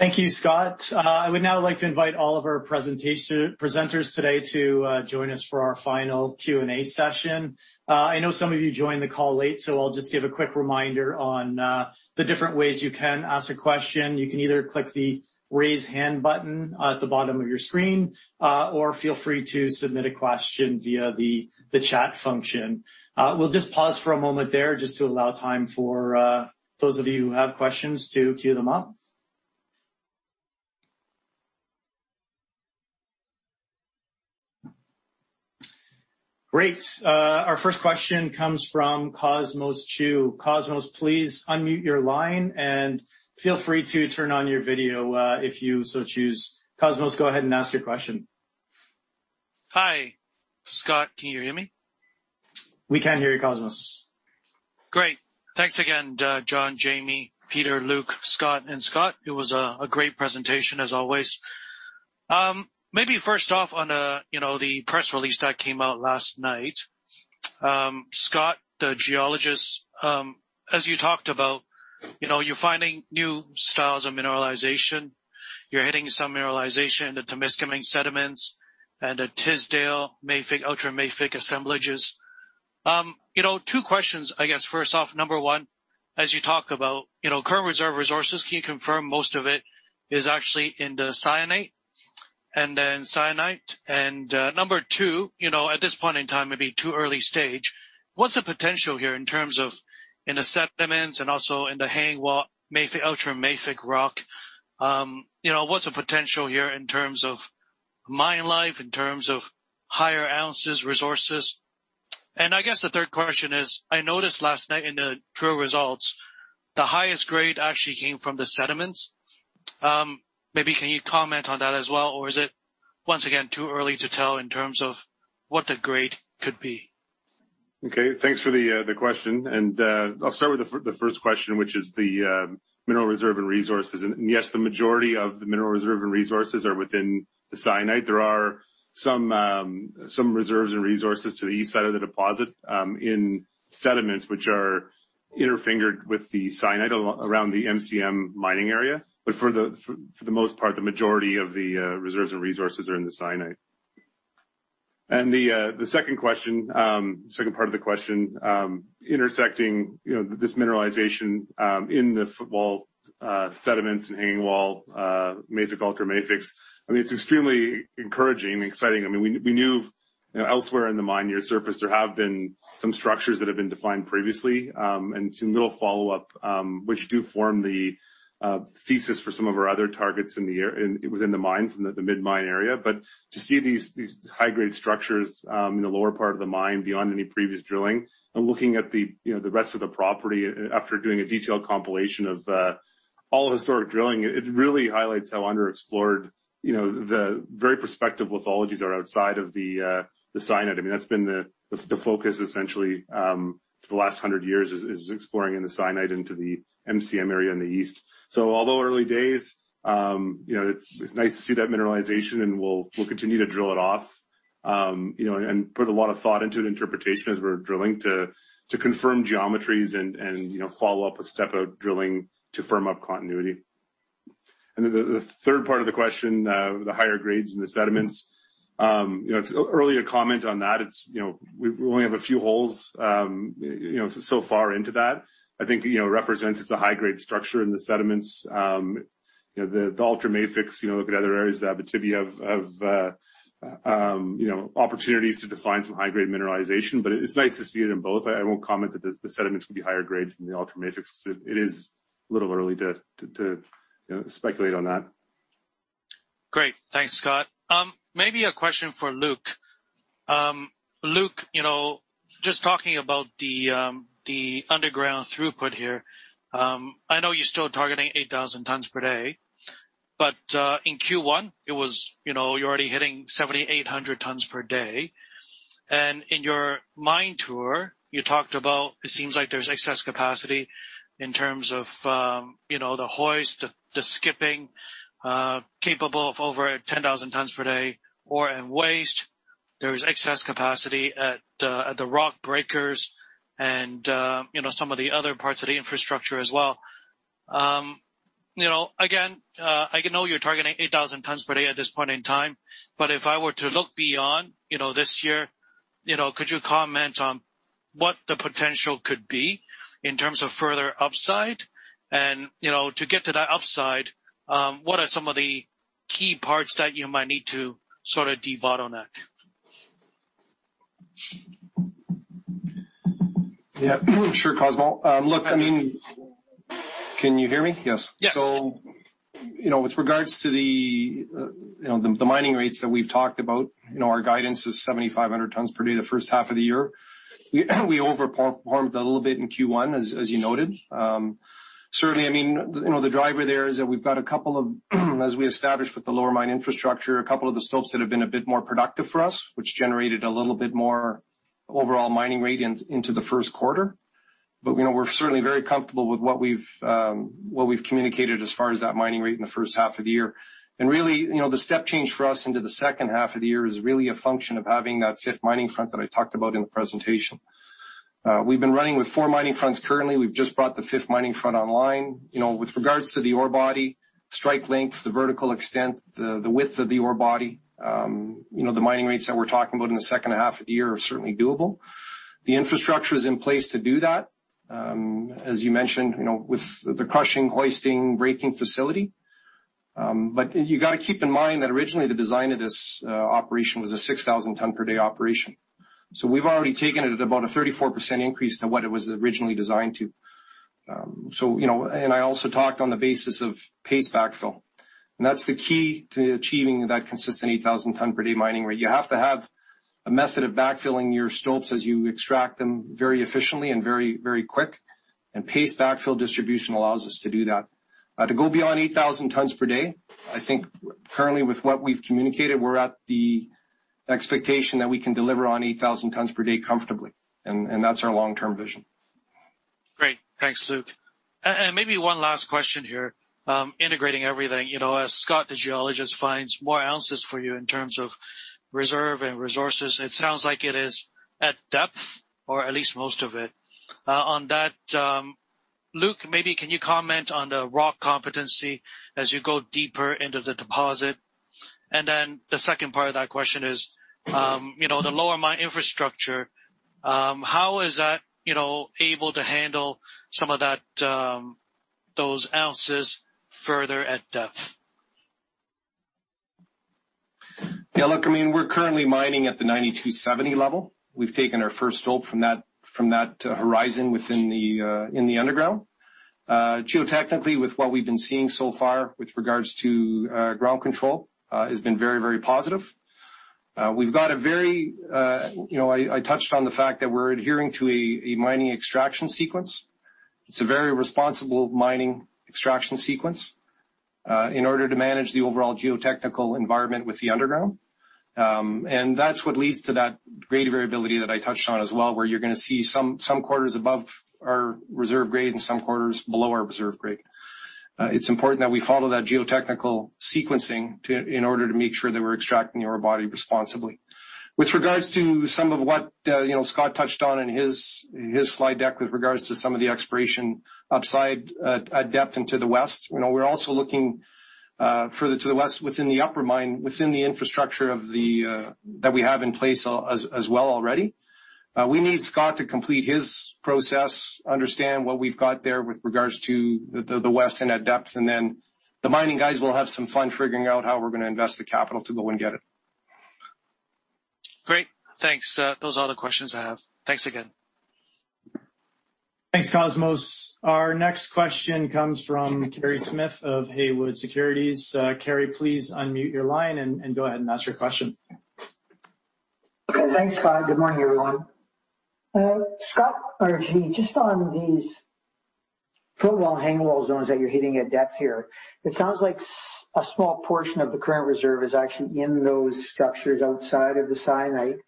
Thank you, Scott. I would now like to invite all of our presenters today to join us for our final Q&A session. I know some of you joined the call late, so I'll just give a quick reminder on the different ways you can ask a question. You can either click the raise hand button at the bottom of your screen or feel free to submit a question via the chat function. We'll just pause for a moment there just to allow time for those of you who have questions to queue them up. Great. Our first question comes from Cosmos Chiu. Cosmos, please unmute your line and feel free to turn on your video, if you so choose. Cosmos, go ahead and ask your question. Hi, Scott. Can you hear me? We can hear you, Cosmos. Great. Thanks again, John, Jamie, Peter, Luc, Scott, and Scott. It was a great presentation as always. Maybe first off on the press release that came out last night. Scott, the geologist, as you talked about, you're finding new styles of mineralization. You're hitting some mineralization at the Temiskaming sediments and at Tisdale mafic, ultramafic assemblages. Two questions, I guess first off, number one, as you talk about current reserve resources, can you confirm most of it is actually in the syenite and then [syenite]? Number one, at this point in time, it'd be too early stage. What's the potential here in terms of, in the sediments and also in the [Hangwall] mafic, ultramafic rock. What's the potential here in terms of mine life, in terms of higher ounces resources? I guess the third question is, I noticed last night in the drill results, the highest grade actually came from the sediments. Maybe can you comment on that as well, or is it once again too early to tell in terms of what the grade could be? Okay. Thanks for the question. I'll start with the first question, which is the mineral reserve and resources. Yes, the majority of the mineral reserve and resources are within the syenite. There are some reserves and resources to the east side of the deposit, in sediments which are interfingered with the syenite around the MCM mining area. For the most part, the majority of the reserves and resources are in the syenite. The second part of the question, intersecting this mineralization in the footwall sediments in hanging wall mafic, ultramafics. It's extremely encouraging and exciting. We knew elsewhere in the mine near surface there have been some structures that have been defined previously, and some we'll follow-up, which do form the thesis for some of our other targets within the mine from the mid-mine area. To see these high-grade structures in the lower part of the mine beyond any previous drilling and looking at the rest of the property after doing a detailed compilation of all historic drilling, it really highlights how underexplored the very prospective lithologies are outside of the syenite. That's been the focus essentially for the last 100 years, is exploring in the syenite into the MCM area in the east. Although early days, it's nice to see that mineralization, and we'll continue to drill it off, and put a lot of thought into interpretation as we're drilling to confirm geometries and follow-up with step-out drilling to firm up continuity. The third part of the question, the higher grades in the sediments. It's early to comment on that. We only have a few holes so far into that. I think it represents a high-grade structure in the sediments. The ultramafics, if you look at other areas of Abitibi have opportunities to define some high-grade mineralization, but it is nice to see it in both. I won't comment that the sediments can be higher grade than the ultramafics because it is a little early to speculate on that. Great. Thanks, Scott. Maybe a question for Luc. Luc, just talking about the underground throughput here. I know you're still targeting 8,000 tons per day, but in Q1 you're already hitting 7,800 tons per day. In your mine tour you talked about it seems like there's excess capacity in terms of the hoist, the skipping, capable of over at 10,000 tons per day. Ore and waste, there's excess capacity at the rock breakers and some of the other parts of the infrastructure as well. I know you're targeting 8,000 tons per day at this point in time, but if I were to look beyond this year, could you comment on what the potential could be in terms of further upside and to get to that upside, what are some of the key parts that you might need to sort of debottleneck? Yeah, sure, Cosmos. Look, can you hear me? Yes. With regards to the mining rates that we've talked about, our guidance is 7,500 tons per day the first half of the year. We over-performed a little bit in Q1 as you noted. Certainly, the driver there is that we've got a couple of, as we established with the lower mine infrastructure, a couple of the stopes that have been a bit more productive for us, which generated a little bit more overall mining rate into the first quarter. We're certainly very comfortable with what we've communicated as far as that mining rate in the first half of the year. Really, the step change for us into the second half of the year is really a function of having that fifth mining front that I talked about in the presentation. We've been running with four mining fronts currently. We've just brought the fifth mining front online. With regards to the ore body, strike lengths, the vertical extent, the width of the ore body, the mining rates that we're talking about in the second half of the year are certainly doable. The infrastructure is in place to do that, as you mentioned with the crushing, hoisting, braking facility. You got to keep in mind that originally the design of this operation was a 6,000 ton per day operation. We've already taken it about a 34% increase to what it was originally designed to. I also talked on the basis of paste backfill. That's the key to achieving that consistent 8,000 tons per day mining, where you have to have a method of backfilling your stopes as you extract them very efficiently and very quick. Paste backfill distribution allows us to do that. To go beyond 8,000 tons per day, I think currently with what we've communicated, we're at the expectation that we can deliver on 8,000 tons per day comfortably, and that's our long-term vision. Great. Thanks, Luc. Maybe one last question here, integrating everything. As Scott, the geologist, finds more ounces for you in terms of reserve and resources, it sounds like it is at depth, or at least most of it. On that, Luc, maybe can you comment on the rock competency as you go deeper into the deposit? Then the second part of that question is, the lower mine infrastructure, how is that able to handle some of those ounces further at depth? Yeah, look, we're currently mining at the 9,270 level. We've taken our first stope from that horizon within the underground. Geotechnically, with what we've been seeing so far with regards to ground control, has been very positive. I touched on the fact that we're adhering to a mining extraction sequence. It's a very responsible mining extraction sequence, in order to manage the overall geotechnical environment with the underground. That's what leads to that grade variability that I touched on as well, where you're going to see some quarters above our reserve grade and some quarters below our reserve grade. It's important that we follow that geotechnical sequencing in order to make sure that we're extracting ore body responsibly. With regards to some of what Scott touched on in his slide deck with regards to some of the exploration upside at depth into the west, we are also looking further to the west within the upper mine, within the infrastructure that we have in place as well already. We need Scott to complete his process, understand what we have got there with regards to the west end at depth, and then the mining guys will have some fun figuring out how we are going to invest the capital to go and get it. Great. Thanks. Those are all the questions I have. Thanks again. Thanks, Cosmos. Our next question comes from Kerry Smith of Haywood Securities. Kerry, please unmute your line and go ahead and ask your question. Okay, thanks, Scott. Good morning, everyone. Scott, just on these footwall-hangwall zones that you're hitting at depth here, it sounds like a small portion of the current reserve is actually in those structures outside of the syenite.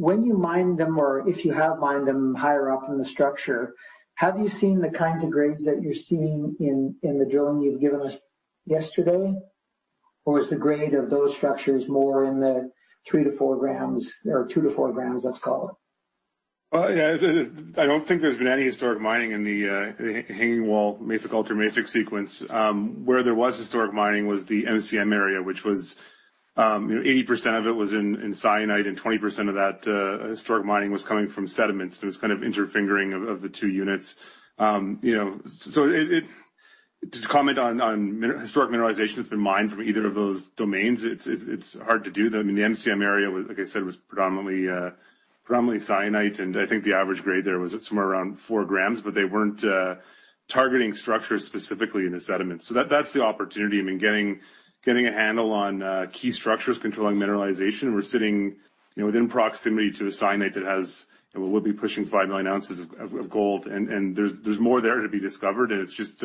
When you mined them, or if you have mined them higher up in the structure, have you seen the kinds of grades that you're seeing in the drilling you've given us yesterday? Is the grade of those structures more in the 3grams-4 grams or 2grams-4 grams, let's call it? I don't think there's been any historic mining in the hanging wall mafic-ultramafic sequence. Where there was historic mining was the MCM area, which was 80% of it was in syenite and 20% of that historic mining was coming from sediments. It was kind of inter-fingering of the two units. To comment on historic mineralization that's been mined from either of those domains, it's hard to do that. I mean, the MCM area, like I said, was predominantly syenite, and I think the average grade there was somewhere around 4 grams, but they weren't targeting structures specifically in the sediment. That's the opportunity. I mean, getting a handle on key structures controlling mineralization. We're sitting within proximity to a syenite that will be pushing 5 million ounces of gold, and there's more there to be discovered, and it's just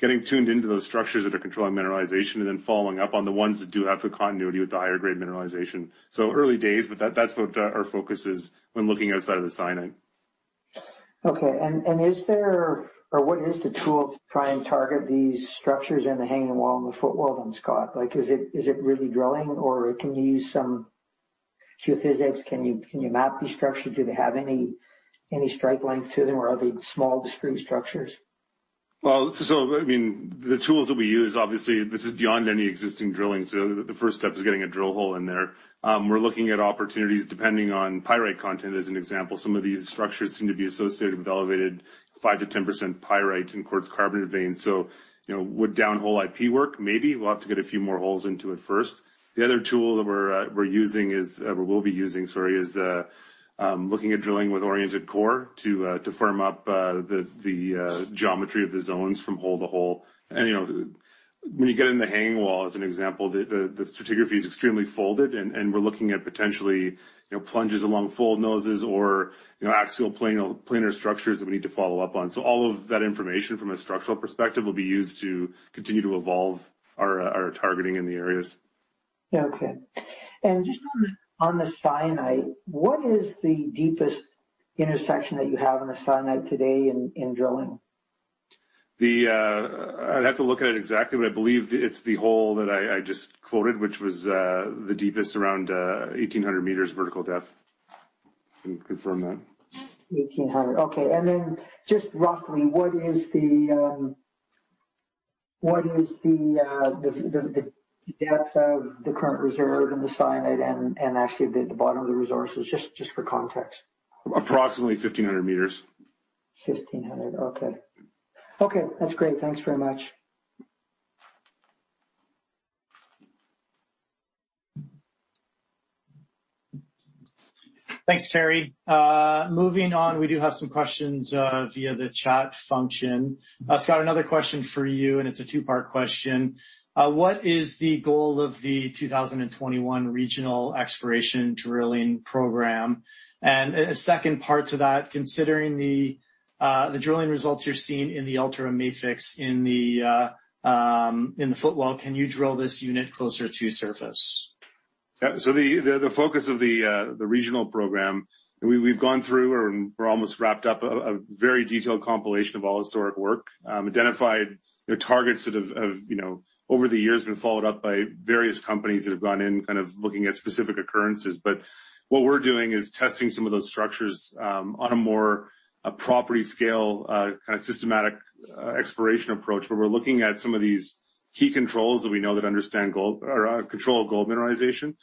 getting tuned into those structures that are controlling mineralization and then following-up on the ones that do have the continuity with the higher grade mineralization. Early days, but that's what our focus is when looking outside of the syenite. Okay. What is the tool to try and target these structures in the hanging wall and the footwall then, Scott? Is it really drilling or can you use some geophysics? Can you map these structures? Do they have any strike lengths to them or are they small discrete structures? The tools that we use, obviously, this is beyond any existing drilling, so the first step is getting a drill hole in there. We're looking at opportunities depending on pyrite content as an example. Some of these structures seem to be associated with elevated 5%-10% pyrite in quartz carbon veins. Would down-hole IP work? Maybe. We'll have to get a few more holes into it first. The other tool that we're using is, or we'll be using, sorry, is looking at drilling with oriented core to firm up the geometry of the zones from hole to hole. When you get in the hanging wall, as an example, the stratigraphy is extremely folded, and we're looking at potentially plunges along fold noses or axial planar structures that we need to follow-up on. All of that information from a structural perspective will be used to continue to evolve our targeting in the areas. Okay. Just on the syenite, what is the deepest intersection that you have on the syenite today in drilling? I'd have to look at it exactly, but I believe it's the hole that I just quoted, which was the deepest around 1,800 meters vertical depth. Let me confirm that. 1,800. Okay. Then just roughly, what is the depth of the current reserve in the syenite and actually the bottom of the resources, just for context? Approximately 1,500 meters. 1,500. Okay. Okay. That's great. Thanks very much. Thanks, Kerry. Moving on, we do have some questions via the chat function. Scott, another question for you, and it's a two-part question. What is the goal of the 2021 regional exploration drilling program? A second part to that, considering the drilling results you're seeing in the ultramafics in the footwall, can you drill this unit closer to surface? Yeah. The focus of the regional program, we've gone through and we're almost wrapped-up a very detailed compilation of all historic work, identified the targets that have over the years been followed-up by various companies that have gone in looking at specific occurrences. What we're doing is testing some of those structures on a more property scale, systematic exploration approach, where we're looking at some of these key controls that we know that control gold mineralization,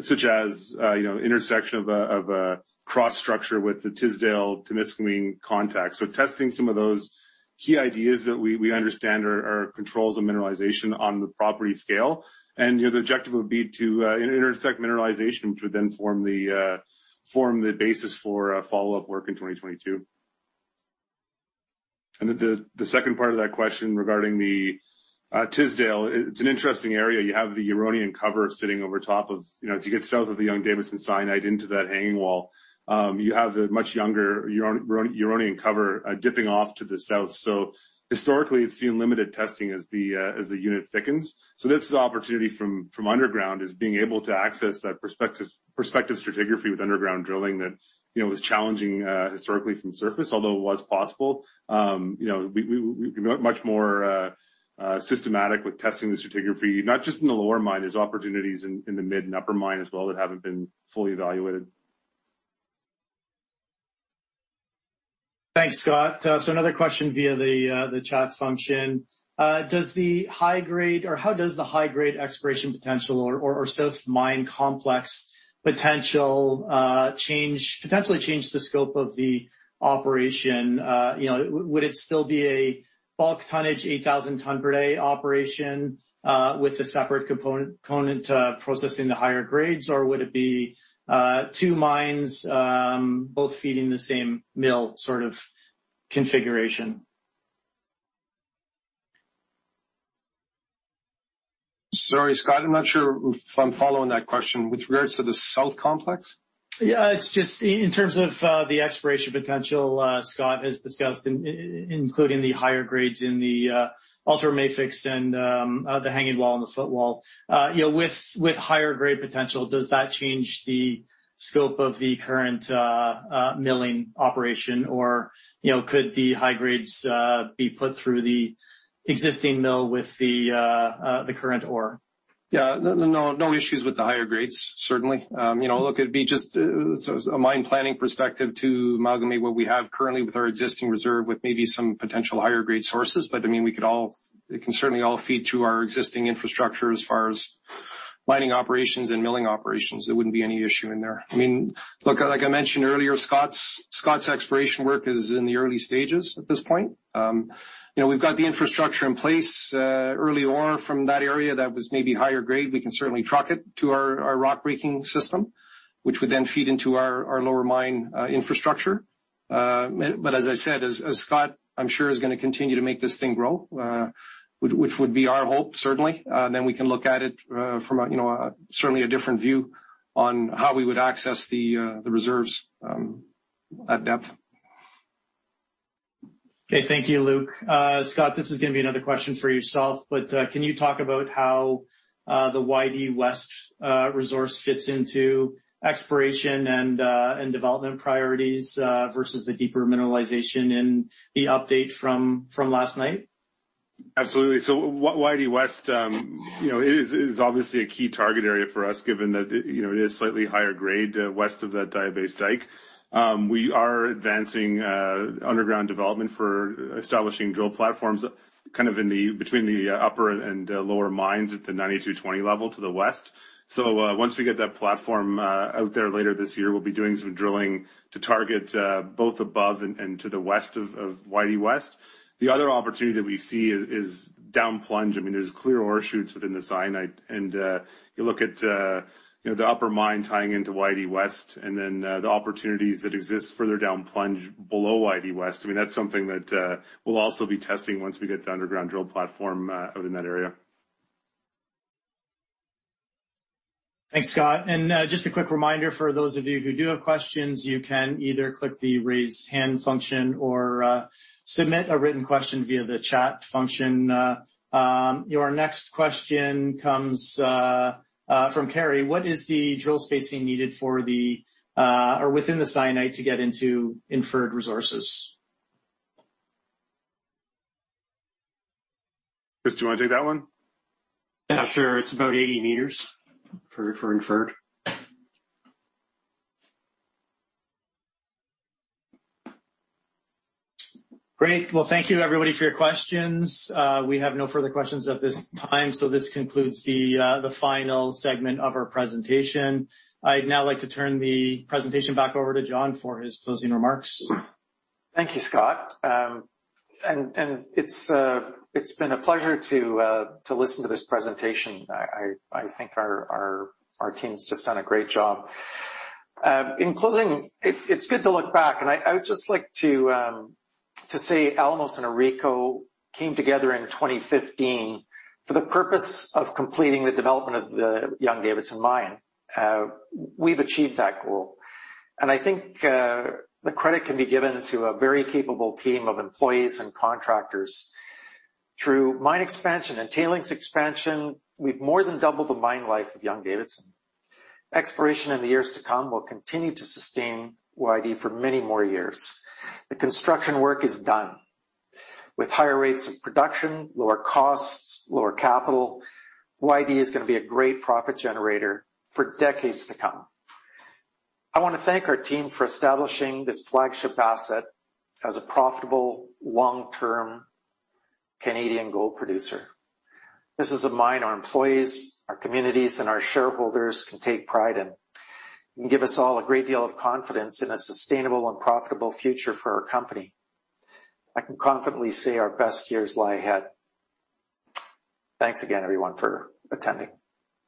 such as intersection of a cross-structure with the Tisdale-Timiskaming contact. Testing some of those key ideas that we understand are controls of mineralization on the property scale. The objective would be to intersect mineralization, which would then form the basis for follow-up work in 2022. The second part of that question regarding the Tisdale, it's an interesting area. You have the Huronian cover sitting over top of, as you get south of the Young-Davidson syenite into that hanging wall, you have a much younger Huronian cover dipping off to the south. Historically, it's seen limited testing as the unit thickens. This is an opportunity from underground is being able to access that prospective stratigraphy with underground drilling that was challenging historically from surface, although it was possible. We'd be much more systematic with testing the stratigraphy, not just in the lower mine. There's opportunities in the mid and upper mine as well that haven't been fully evaluated. Thanks, Scott. Another question via the chat function. How does the high-grade exploration potential or south mine complex potentially change the scope of the operation? Would it still be a bulk tonnage 8,000 ton per day operation with a separate component processing the higher grades, or would it be two mines both feeding the same mill sort of configuration? Sorry, Scott, I'm not sure if I'm following that question. With regards to the south complex? Yeah, it's just in terms of the exploration potential Scott has discussed, including the higher grades in the ultramafics and the hanging wall and the footwall. With higher grade potential, does that change the scope of the current milling operation, or could the high grades be put through the existing mill with the current ore? Yeah, no issues with the higher grades, certainly. Look, it'd be just a mine planning perspective to amalgamate what we have currently with our existing reserve with maybe some potential higher-grade sources. It can certainly all feed to our existing infrastructure as far as mining operations and milling operations. It wouldn't be any issue in there. Like I mentioned earlier, Scott's exploration work is in the early stages at this point. We've got the infrastructure in place. Early ore from that area that was maybe higher grade, we can certainly truck it to our rock breaking system, which would then feed into our lower mine infrastructure. As I said, as Scott, I'm sure, is going to continue to make this thing grow, which would be our hope, certainly, then we can look at it from certainly a different view on how we would access the reserves at depth. Okay. Thank you, Luc. Scott, this is going to be another question for yourself, but can you talk about how the YD West resource fits into exploration and development priorities versus the deeper mineralization in the update from last night? Absolutely. YD West is obviously a key target area for us, given that it is slightly higher grade west of that diabase dike. We are advancing underground development for establishing drill platforms between the upper and lower mines at the 9220 level to the west. Once we get that platform out there later this year, we'll be doing some drilling to target both above and to the west of YD West. The other opportunity that we see is down plunge. There's clear ore shoots within the syenite, and you look at the upper mine tying into YD West and then the opportunities that exist further down plunge below YD West. That's something that we'll also be testing once we get the underground drill platform out in that area. Thanks, Scott. Just a quick reminder for those of you who do have questions, you can either click the raise hand function or submit a written question via the chat function. Your next question comes from Kerry. What is the drill spacing needed within the syenite to get into inferred resources? Do you want to take that one? Yeah, sure. It's about 80 meters for inferred. Great. Well, thank you everybody for your questions. We have no further questions at this time. This concludes the final segment of our presentation. I'd now like to turn the presentation back over to John for his closing remarks. Thank you, Scott. It's been a pleasure to listen to this presentation. I think our team's just done a great job. In closing, it's good to look back, and I would just like to say Alamos and AuRico came together in 2015 for the purpose of completing the development of the Young-Davidson Mine. We've achieved that goal, and I think the credit can be given to a very capable team of employees and contractors. Through mine expansion and tailings expansion, we've more than doubled the mine life of Young-Davidson. Exploration in the years to come will continue to sustain YD for many more years. The construction work is done. With higher rates of production, lower costs, lower capital, YD is going to be a great profit generator for decades to come. I want to thank our team for establishing this flagship asset as a profitable long-term Canadian gold producer. This is a mine our employees, our communities, and our shareholders can take pride in, and give us all a great deal of confidence in a sustainable and profitable future for our company. I can confidently say our best years lie ahead. Thanks again, everyone, for attending.